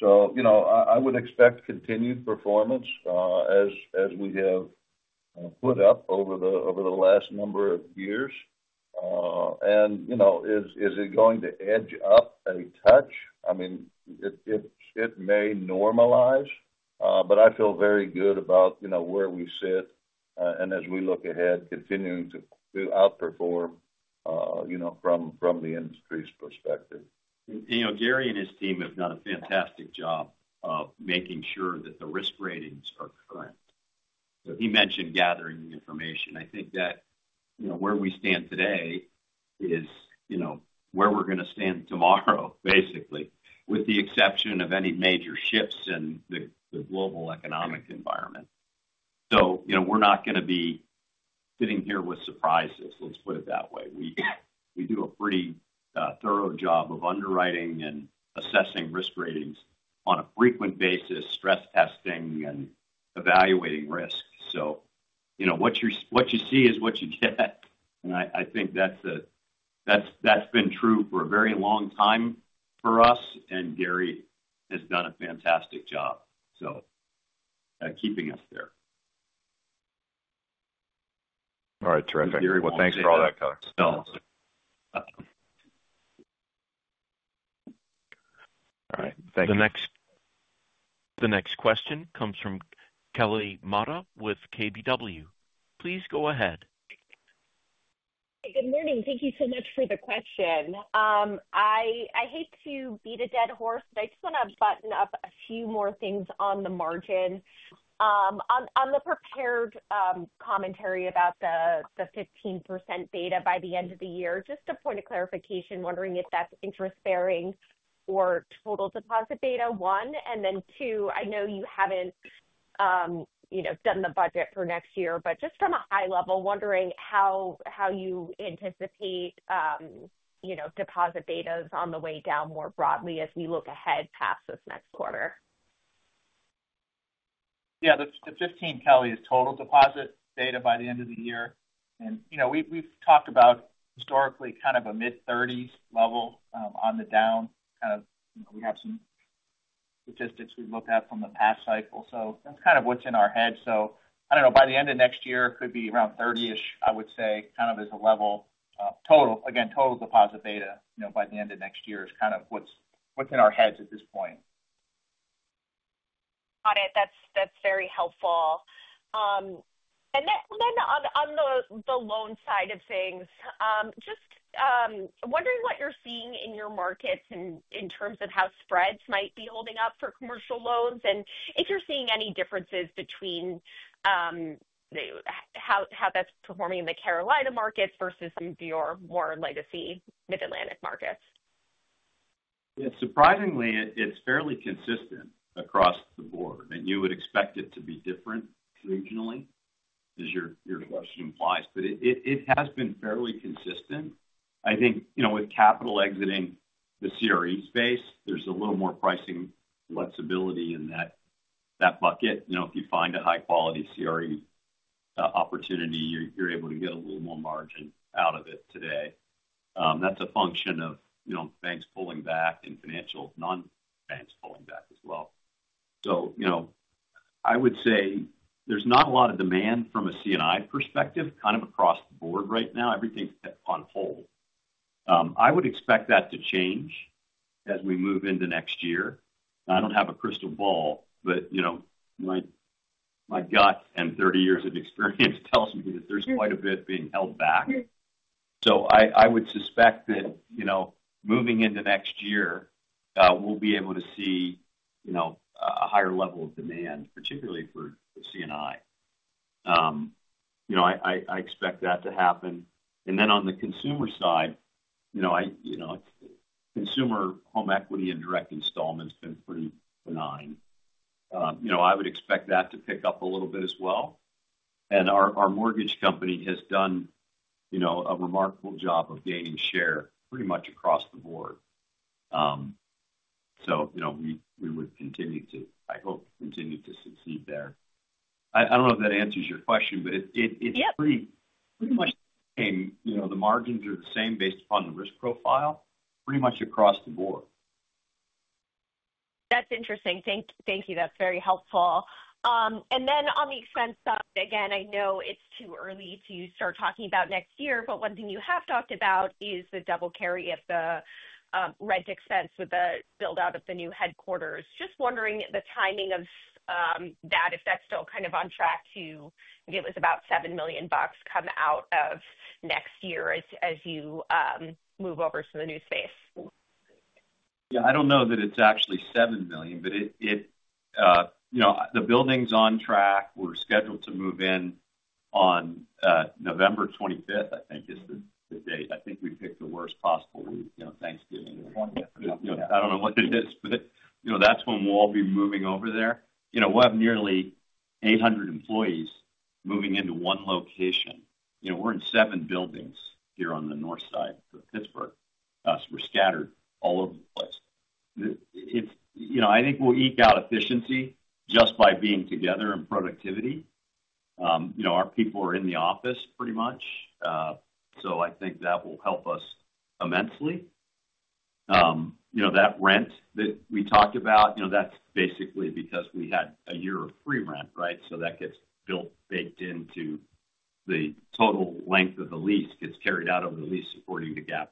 So, you know, I would expect continued performance as we have put up over the last number of years. And, you know, is it going to edge up a touch? I mean, it may normalize, but I feel very good about, you know, where we sit, and as we look ahead, continuing to outperform, you know, from the industry's perspective. You know, Gary and his team have done a fantastic job of making sure that the risk ratings are current. So he mentioned gathering the information. I think that, you know, where we stand today is, you know, where we're going to stand tomorrow, basically, with the exception of any major shifts in the global economic environment. So, you know, we're not going to be sitting here with surprises, let's put it that way. We do a pretty thorough job of underwriting and assessing risk ratings on a frequent basis, stress testing, and evaluating risk. So, you know, what you see is what you get. And I think that's been true for a very long time for us, and Gary has done a fantastic job, so keeping us there. All right. Terrific. Thanks for all that, guys. All right. Thank you. The next question comes from Kelly Motta with KBW. Please go ahead. Good morning. Thank you so much for the question. I hate to beat a dead horse, but I just want to button up a few more things on the margin. On the prepared commentary about the 15% beta by the end of the year, just a point of clarification, wondering if that's interest-bearing or total deposit beta, one. And then two, I know you haven't, you know, done the budget for next year, but just from a high level, wondering how you anticipate, you know, deposit betas on the way down more broadly as we look ahead past this next quarter. Yeah, the, the fifteen, Kelly, is total deposit beta by the end of the year. And, you know, we've talked about historically kind of a mid-thirties level, on the down, kind of, you know, we have some statistics we've looked at from the past cycle. So that's kind of what's in our head. So I don't know, by the end of next year, it could be around thirty-ish, I would say, kind of as a level, total. Again, total deposit beta, you know, by the end of next year is kind of what's in our heads at this point. Got it. That's very helpful. And then on the loan side of things, just wondering what you're seeing in your markets in terms of how spreads might be holding up for commercial loans, and if you're seeing any differences between how that's performing in the Carolina markets versus some of your more legacy Mid-Atlantic markets?... Yeah, surprisingly, it's fairly consistent across the board, and you would expect it to be different regionally, as your question implies, but it has been fairly consistent. I think, you know, with capital exiting the CRE space, there's a little more pricing flexibility in that bucket. You know, if you find a high-quality CRE opportunity, you're able to get a little more margin out of it today. That's a function of, you know, banks pulling back and financial non-banks pulling back as well. So, you know, I would say there's not a lot of demand from a C&I perspective, kind of across the board right now. Everything's on hold. I would expect that to change as we move into next year. I don't have a crystal ball, but you know, my gut and thirty years of experience tells me that there's quite a bit being held back. So I would suspect that you know, moving into next year, we'll be able to see you know, a higher level of demand, particularly for the C&I. You know, I expect that to happen. And then on the consumer side, you know, consumer home equity and direct installment's been pretty benign. You know, I would expect that to pick up a little bit as well. And our mortgage company has done you know, a remarkable job of gaining share pretty much across the board. So you know, we would continue to, I hope, continue to succeed there. I don't know if that answers your question, but it it- Yep. It's pretty, pretty much the same. You know, the margins are the same based upon the risk profile, pretty much across the board. That's interesting. Thank you. That's very helpful. And then on the expense side, again, I know it's too early to start talking about next year, but one thing you have talked about is the double carry of the rent expense with the build-out of the new headquarters. Just wondering the timing of that, if that's still kind of on track to, I think it was about $7 million come out of next year as you move over to the new space. Yeah, I don't know that it's actually seven million, but it. You know, the building's on track. We're scheduled to move in on November twenty-fifth, I think is the date. I think we picked the worst possible week, you know, Thanksgiving. I don't know what it is, but, you know, that's when we'll all be moving over there. You know, we'll have nearly eight hundred employees moving into one location. You know, we're in seven buildings here on the North Side of Pittsburgh. We're scattered all over the place. It's you know, I think we'll eke out efficiency just by being together in productivity. You know, our people are in the office pretty much, so I think that will help us immensely. You know, that rent that we talked about, you know, that's basically because we had a year of free rent, right? So that gets built, baked into the total length of the lease, gets carried out over the lease according to GAAP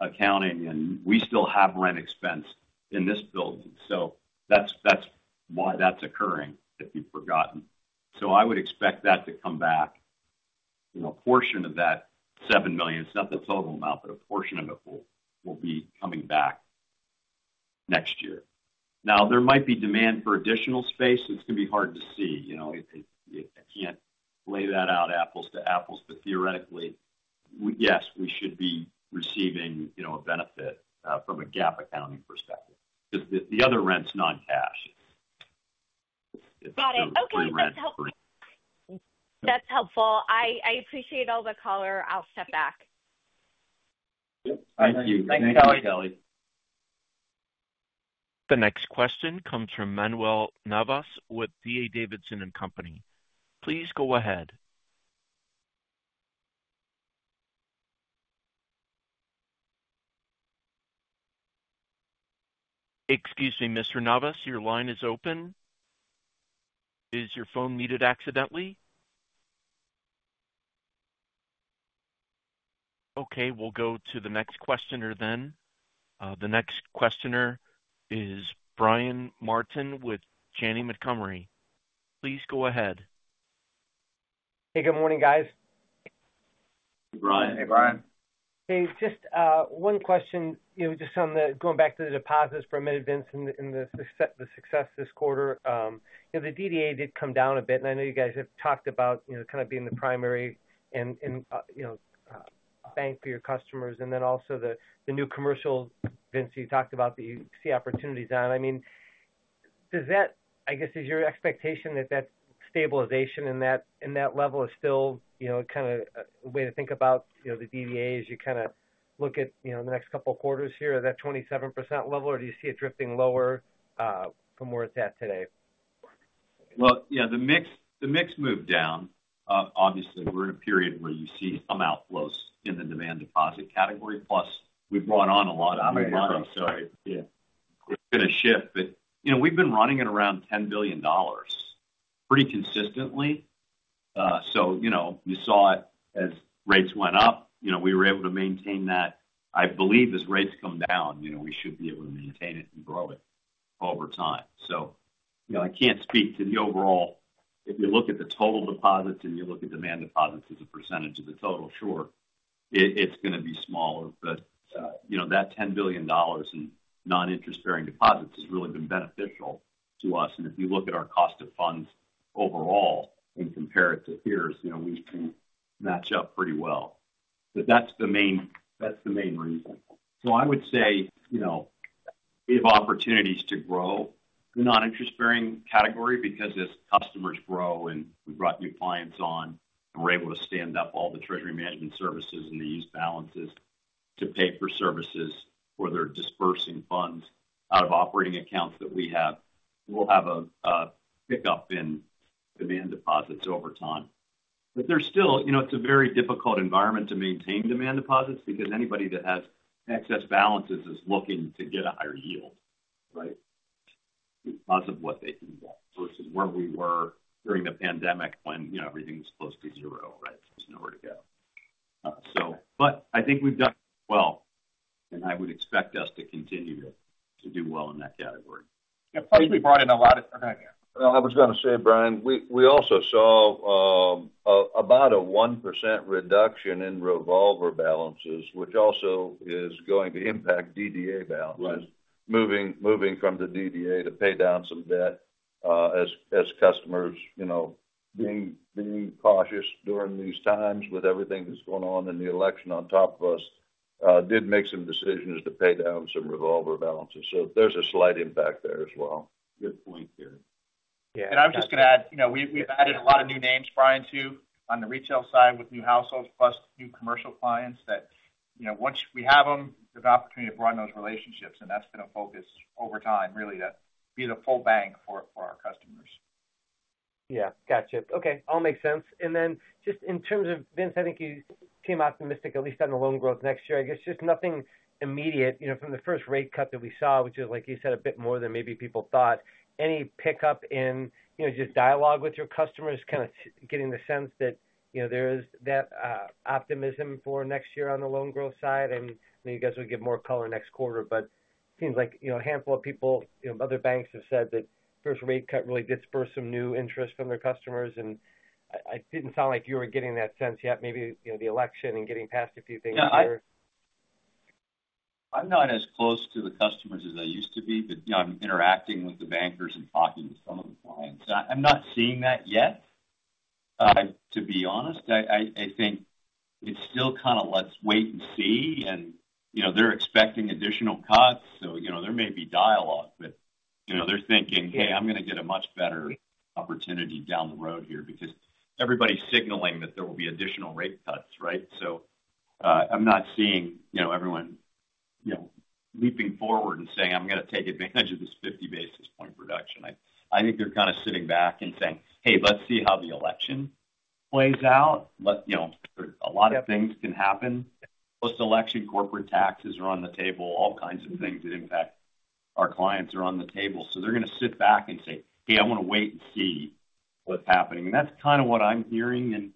accounting, and we still have rent expense in this building. So that's, that's why that's occurring, if you've forgotten. So I would expect that to come back. You know, a portion of that $7 million, it's not the total amount, but a portion of it will, will be coming back next year. Now, there might be demand for additional space. It's going to be hard to see. You know, it I can't lay that out apples to apples, but theoretically, yes, we should be receiving, you know, a benefit from a GAAP accounting perspective. Because the other rent's non-cash. Got it. It's free rent. Okay, that's helpful. That's helpful. I appreciate all the color. I'll step back. Thank you. Thank you, Kelly. The next question comes from Manuel Navas with D.A. Davidson and Company. Please go ahead. Excuse me, Mr. Navas, your line is open. Is your phone muted accidentally? Okay, we'll go to the next questioner then. The next questioner is Brian Martin with Janney Montgomery Scott. Please go ahead. Hey, good morning, guys. Hey, Brian. Hey, Brian. Hey, just one question, you know, just on going back to the deposits for a minute, Vince, and the success this quarter. You know, the DDA did come down a bit, and I know you guys have talked about, you know, kind of being the primary and you know bank for your customers, and then also the new commercial, Vince, you talked about that you see opportunities on. I mean, does that... I guess, is your expectation that that stabilization in that level is still, you know, kind of a way to think about, you know, the DDAs you kind of look at, you know, the next couple of quarters here at that 27% level, or do you see it drifting lower from where it's at today? Yeah, the mix moved down. Obviously, we're in a period where you see some outflows in the demand deposit category, plus we've brought on a lot of new money. Right. So yeah, it's been a shift, but, you know, we've been running at around $10 billion pretty consistently. So you know, you saw it as rates went up, you know, we were able to maintain that. I believe as rates come down, you know, we should be able to maintain it and grow it over time. So, you know, I can't speak to the overall. If you look at the total deposits and you look at demand deposits as a percentage of the total, sure, it's going to be smaller, but, you know, that $10 billion in non-interest-bearing deposits has really been beneficial to us. And if you look at our cost of funds overall and compare it to peers, you know, we can match up pretty well. But that's the main reason. I would say, you know, we have opportunities to grow the non-interest-bearing category because as customers grow and we brought new clients on, and we're able to stand up all the treasury management services and the use balances to pay for services where they're disbursing funds out of operating accounts that we have, we'll have a pick up in demand deposits over time. But there's still, you know, it's a very difficult environment to maintain demand deposits because anybody that has excess balances is looking to get a higher yield, right? Because of what they can get versus where we were during the pandemic when, you know, everything was close to zero, right? There's nowhere to go. So but I think we've done well, and I would expect us to continue to do well in that category. Yeah, plus, we brought in a lot of- go ahead. I was gonna say, Brian, we also saw about a 1% reduction in revolver balances, which also is going to impact DDA balances. Right. Moving from the DDA to pay down some debt, as customers, you know, being cautious during these times with everything that's going on and the election on top of us, did make some decisions to pay down some revolver balances. So there's a slight impact there as well. Good point, Gary. I'm just gonna add, you know, we've added a lot of new names, Brian, too, on the retail side with new households, plus new commercial clients that, you know, once we have them, there's an opportunity to run those relationships, and that's been a focus over time, really, to be the full bank for our customers. Yeah, gotcha. Okay, all makes sense. And then just in terms of, Vince, I think you came optimistic, at least on the loan growth next year. I guess just nothing immediate, you know, from the first rate cut that we saw, which is, like you said, a bit more than maybe people thought. Any pickup in, you know, just dialogue with your customers, kind of getting the sense that, you know, there is that optimism for next year on the loan growth side? And I know you guys will give more color next quarter, but it seems like, you know, a handful of people, you know, other banks have said that first rate cut really dispersed some new interest from their customers, and I, I didn't sound like you were getting that sense yet. Maybe, you know, the election and getting past a few things there. Yeah, I'm not as close to the customers as I used to be, but, you know, I'm interacting with the bankers and talking to some of the clients. I'm not seeing that yet. To be honest, I think it's still kind of let's wait and see, and, you know, they're expecting additional cuts, so, you know, there may be dialogue, but, you know, they're thinking: "Hey, I'm gonna get a much better opportunity down the road here," because everybody's signaling that there will be additional rate cuts, right? So, I'm not seeing, you know, everyone, you know, leaping forward and saying, "I'm gonna take advantage of this fifty basis point reduction." I think they're kind of sitting back and saying, "Hey, let's see how the election plays out," but, you know, a lot of things can happen. Post-election, corporate taxes are on the table. All kinds of things that impact our clients are on the table. So they're gonna sit back and say, "Hey, I want to wait and see what's happening." And that's kind of what I'm hearing and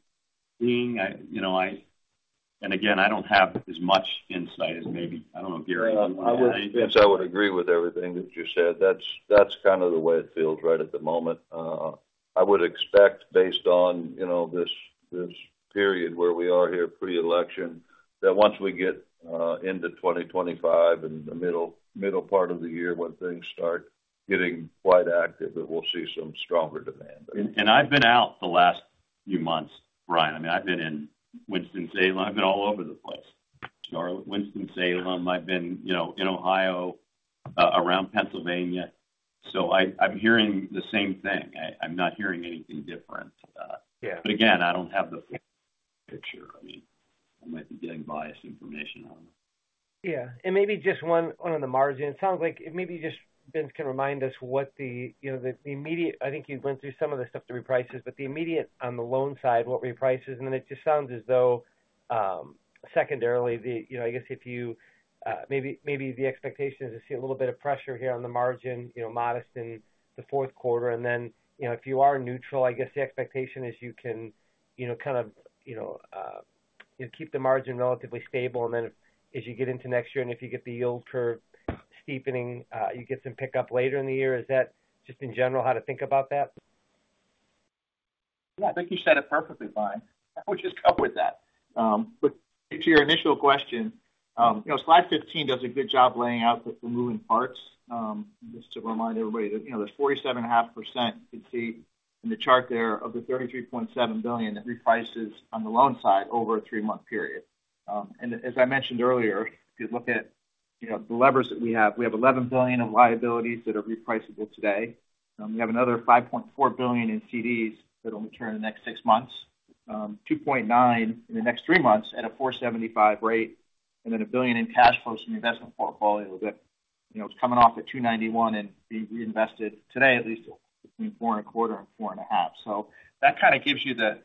seeing. You know, and again, I don't have as much insight as maybe... I don't know, Gary, do you have any? Yes, I would agree with everything that you said. That's kind of the way it feels right at the moment. I would expect, based on, you know, this period where we are here, pre-election, that once we get into twenty twenty-five and the middle part of the year, when things start getting quite active, that we'll see some stronger demand there. I've been out the last few months, Brian. I mean, I've been in Winston-Salem. I've been all over the place. Winston-Salem, I've been, you know, in Ohio, around Pennsylvania, so I'm hearing the same thing. I'm not hearing anything different. Yeah. But again, I don't have the full picture. I mean, I might be getting biased information on it. Yeah, and maybe just one on the margin. It sounds like maybe just Vince can remind us what the, you know, immediate. I think you went through some of the stuff, the reprices, but the immediate on the loan side, what reprices? And then it just sounds as though secondarily, the, you know, I guess if you maybe the expectation is to see a little bit of pressure here on the margin, you know, modest in the fourth quarter. And then, you know, if you are neutral, I guess the expectation is you can, you know, kind of, you know, you keep the margin relatively stable, and then as you get into next year, and if you get the yield curve steepening, you get some pick up later in the year. Is that just in general, how to think about that? Yeah, I think you said it perfectly, Brian. I would just go with that, but to your initial question, you know, slide 15 does a good job laying out the moving parts. Just to remind everybody that, you know, there's 47.5% you'd see in the chart there of the $33.7 billion, that reprices on the loan side over a three-month period, and as I mentioned earlier, if you look at, you know, the levers that we have, we have $11 billion of liabilities that are repriceable today. We have another $5.4 billion in CDs that will mature in the next six months, $2.9 billion in the next three months at a 4.75% rate, and then $1 billion in cash flows from investment portfolio that, you know, it's coming off at 2.91% and being reinvested today, at least between 4.25% and 4.5%. So that kind of gives you the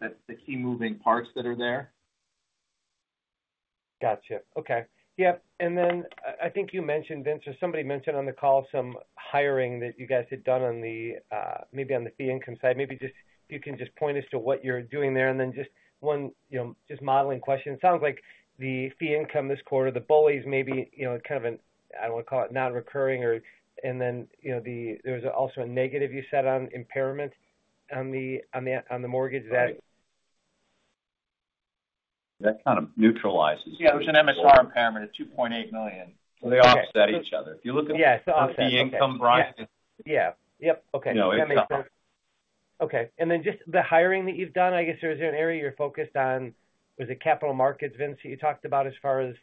key moving parts that are there. Gotcha. Okay. Yep, and then I think you mentioned, Vince, or somebody mentioned on the call some hiring that you guys had done on the maybe on the fee income side. Maybe just you can just point us to what you're doing there, and then just one, you know, just modeling question. It sounds like the fee income this quarter, the builds may be, you know, kind of an, I don't want to call it, non-recurring or and then, you know, the there's also a negative you said on impairment on the mortgage side?... That kind of neutralizes- Yeah, there's an MSR impairment of $2.8 million. So they offset each other. Yeah. If you look at- Yeah, it's offset. The income bracket. Yeah. Yep. Okay. No, it's not. Okay. And then just the hiring that you've done, I guess, is there an area you're focused on? Was it capital markets, Vince, that you talked about as far as,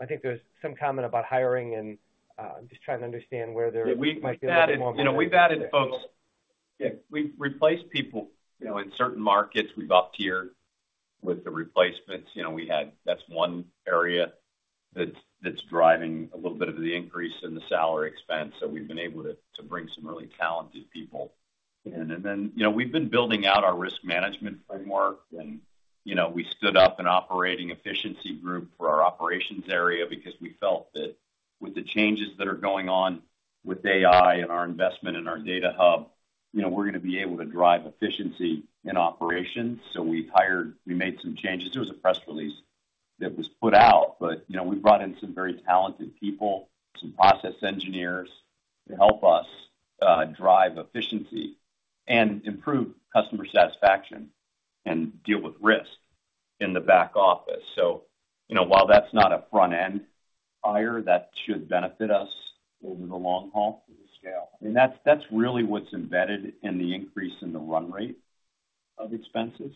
I think there was some comment about hiring and, just trying to understand where there might be a little more- We've added, you know, we've added folks. Yeah, we've replaced people. You know, in certain markets, we've upped here with the replacements. You know, we had. That's one area that's driving a little bit of the increase in the salary expense. So we've been able to bring some really talented people in. And then, you know, we've been building out our risk management framework and, you know, we stood up an operating efficiency group for our operations area because we felt that with the changes that are going on with AI and our investment in our data hub, you know, we're going to be able to drive efficiency in operations. So we hired. We made some changes. There was a press release that was put out, but, you know, we brought in some very talented people, some process engineers to help us drive efficiency and improve customer satisfaction and deal with risk in the back office. So, you know, while that's not a front-end hire, that should benefit us over the long haul to the scale. I mean, that's, that's really what's embedded in the increase in the run rate of expenses,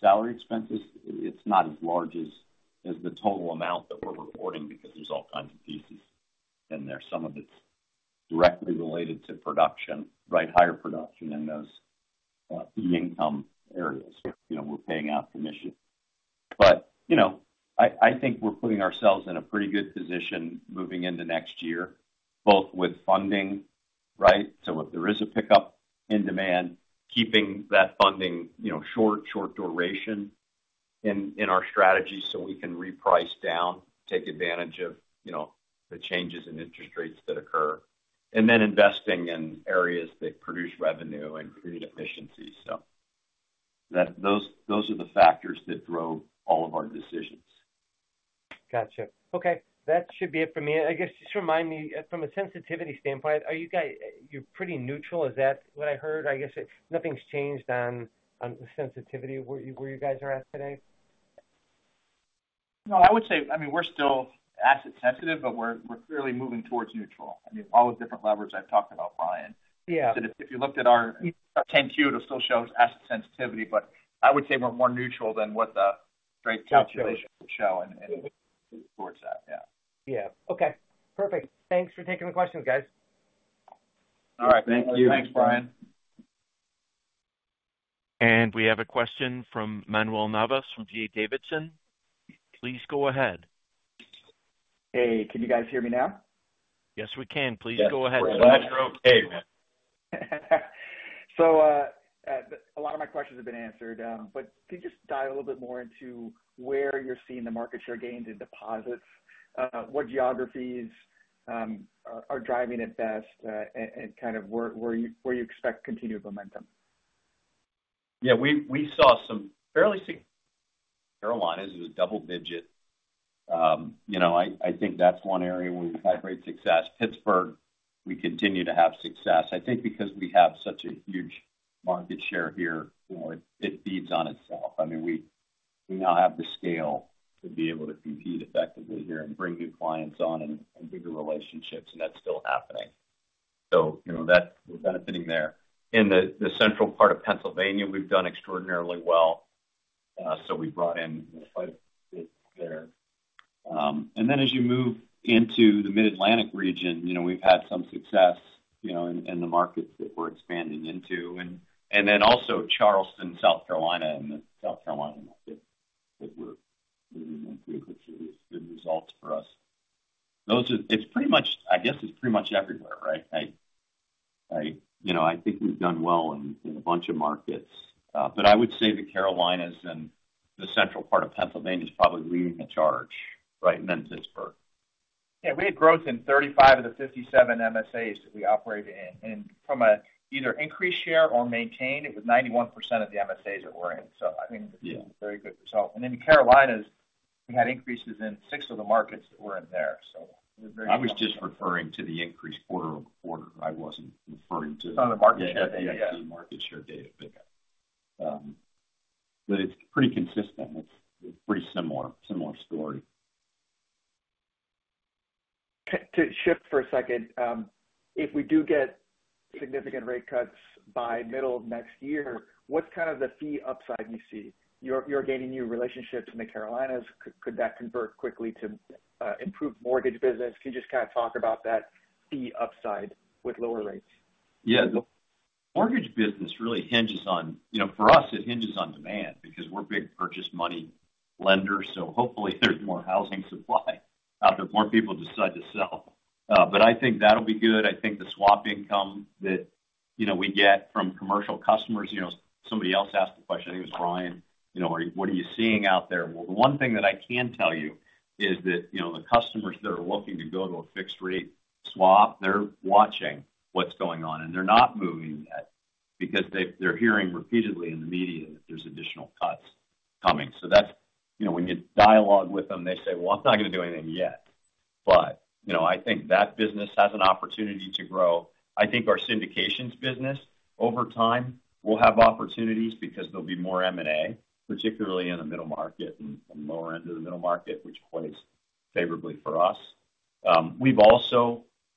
salary expenses. It's not as large as, as the total amount that we're reporting, because there's all kinds of pieces in there. Some of it's directly related to production, right? Higher production in those fee income areas. You know, we're paying out commissions. But, you know, I, I think we're putting ourselves in a pretty good position moving into next year, both with funding, right? So if there is a pickup in demand, keeping that funding, you know, short duration in our strategy, so we can reprice down, take advantage of, you know, the changes in interest rates that occur, and then investing in areas that produce revenue and create efficiency. So, those are the factors that drove all of our decisions. Gotcha. Okay, that should be it for me. I guess, just remind me from a sensitivity standpoint, are you guys? You're pretty neutral, is that what I heard? I guess nothing's changed on the sensitivity of where you guys are at today? No, I would say, I mean, we're still asset sensitive, but we're clearly moving towards neutral. I mean, all the different levers I've talked about, Brian. Yeah. If you looked at our 10-Q, it'll still show asset sensitivity, but I would say we're more neutral than what the straight calculation would show and towards that. Yeah. Yeah. Okay, perfect. Thanks for taking the questions, guys. All right. Thank you. Thanks, Brian. And we have a question from Manuel Navas, from D.A. Davidson. Please go ahead. Hey, can you guys hear me now? Yes, we can. Please go ahead. Yes. You're okay, man. So, a lot of my questions have been answered, but can you just dive a little bit more into where you're seeing the market share gains in deposits? What geographies are driving it best, and kind of where you expect continued momentum? Yeah, we saw. Carolinas is a double digit. You know, I think that's one area where we've had great success. Pittsburgh, we continue to have success. I think because we have such a huge market share here, you know, it feeds on itself. I mean, we now have the scale to be able to compete effectively here and bring new clients on and bigger relationships, and that's still happening. So, you know, that we're benefiting there. In the central part of Pennsylvania, we've done extraordinarily well, so we brought in quite a bit there. And then as you move into the Mid-Atlantic region, you know, we've had some success, you know, in the markets that we're expanding into. And then also Charleston, South Carolina, and the South Carolina market that we're making good results for us. Those are. It's pretty much... I guess, it's pretty much everywhere, right? I, you know, I think we've done well in a bunch of markets, but I would say the Carolinas and the central part of Pennsylvania is probably leading the charge, right? And then Pittsburgh. Yeah, we had growth in 35 of the 57 MSAs that we operate in, and from a either increased share or maintained, it was 91% of the MSAs that we're in. So I think. Yeah. Very good result. And in the Carolinas, we had increases in six of the markets that were in there, so. I was just referring to the increase quarter over quarter. I wasn't referring to. On the market share data, yeah. Market share data. But it's pretty consistent. It's pretty similar story. To shift for a second, if we do get significant rate cuts by middle of next year, what's kind of the fee upside you see? You're gaining new relationships in the Carolinas. Could that convert quickly to improved mortgage business? Can you just kind of talk about that fee upside with lower rates? Yeah. The mortgage business really hinges on... You know, for us, it hinges on demand because we're big purchase money lenders, so hopefully there's more housing supply out there, more people decide to sell. But I think that'll be good. I think the swap income that, you know, we get from commercial customers, you know, somebody else asked the question, I think it was Ryan, you know, what are you seeing out there? Well, the one thing that I can tell you is that, you know, the customers that are looking to go to a fixed rate swap, they're watching what's going on, and they're not moving yet because they've, they're hearing repeatedly in the media that there's additional cuts coming. So that's, you know, when you dialogue with them, they say, "Well, I'm not going to do anything yet."... But you know, I think that business has an opportunity to grow. I think our syndications business over time will have opportunities because there'll be more M&A, particularly in the middle market and the lower end of the middle market, which plays favorably for us.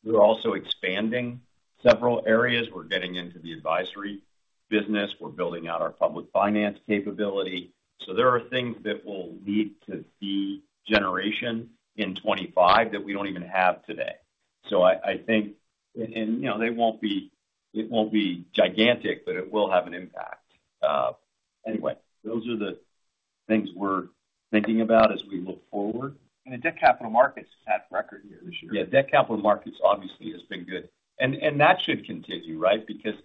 We're also expanding several areas. We're getting into the advisory business. We're building out our public finance capability. So there are things that will lead to fee generation in 2025 that we don't even have today. So I think and you know, they won't be gigantic, but it will have an impact. Anyway, those are the things we're thinking about as we look forward. The debt capital markets had a record year this year. Yeah, debt capital markets obviously has been good. And that should continue, right? Because,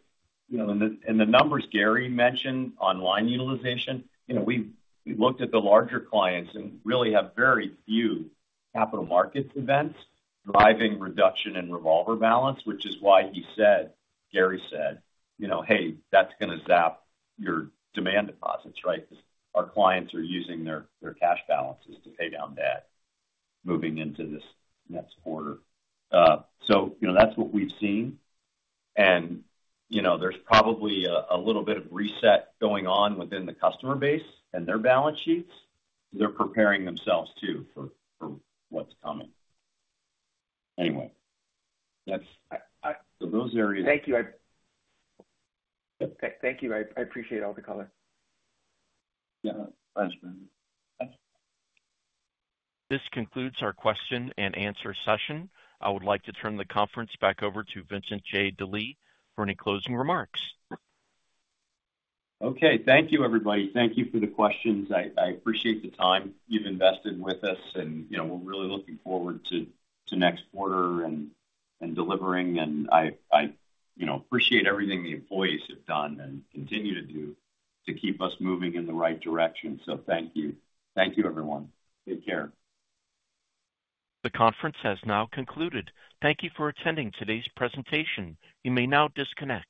you know, in the numbers Gary mentioned, line utilization, you know, we've looked at the larger clients and really have very few capital markets events driving reduction in revolver balance, which is why he said, Gary said, "You know, hey, that's gonna zap your demand deposits," right? Because our clients are using their cash balances to pay down debt moving into this next quarter. So, you know, that's what we've seen. And, you know, there's probably a little bit of reset going on within the customer base and their balance sheets. They're preparing themselves, too, for what's coming. Anyway, that's- I, I- So those areas- Thank you. Thank you. I appreciate all the color. Yeah. Thanks, man. This concludes our question and answer session. I would like to turn the conference back over to Vincent J. Delie for any closing remarks. Okay. Thank you, everybody. Thank you for the questions. I appreciate the time you've invested with us and, you know, we're really looking forward to next quarter and delivering. And I, you know, appreciate everything the employees have done and continue to do to keep us moving in the right direction. So thank you. Thank you, everyone. Take care. The conference has now concluded. Thank you for attending today's presentation. You may now disconnect.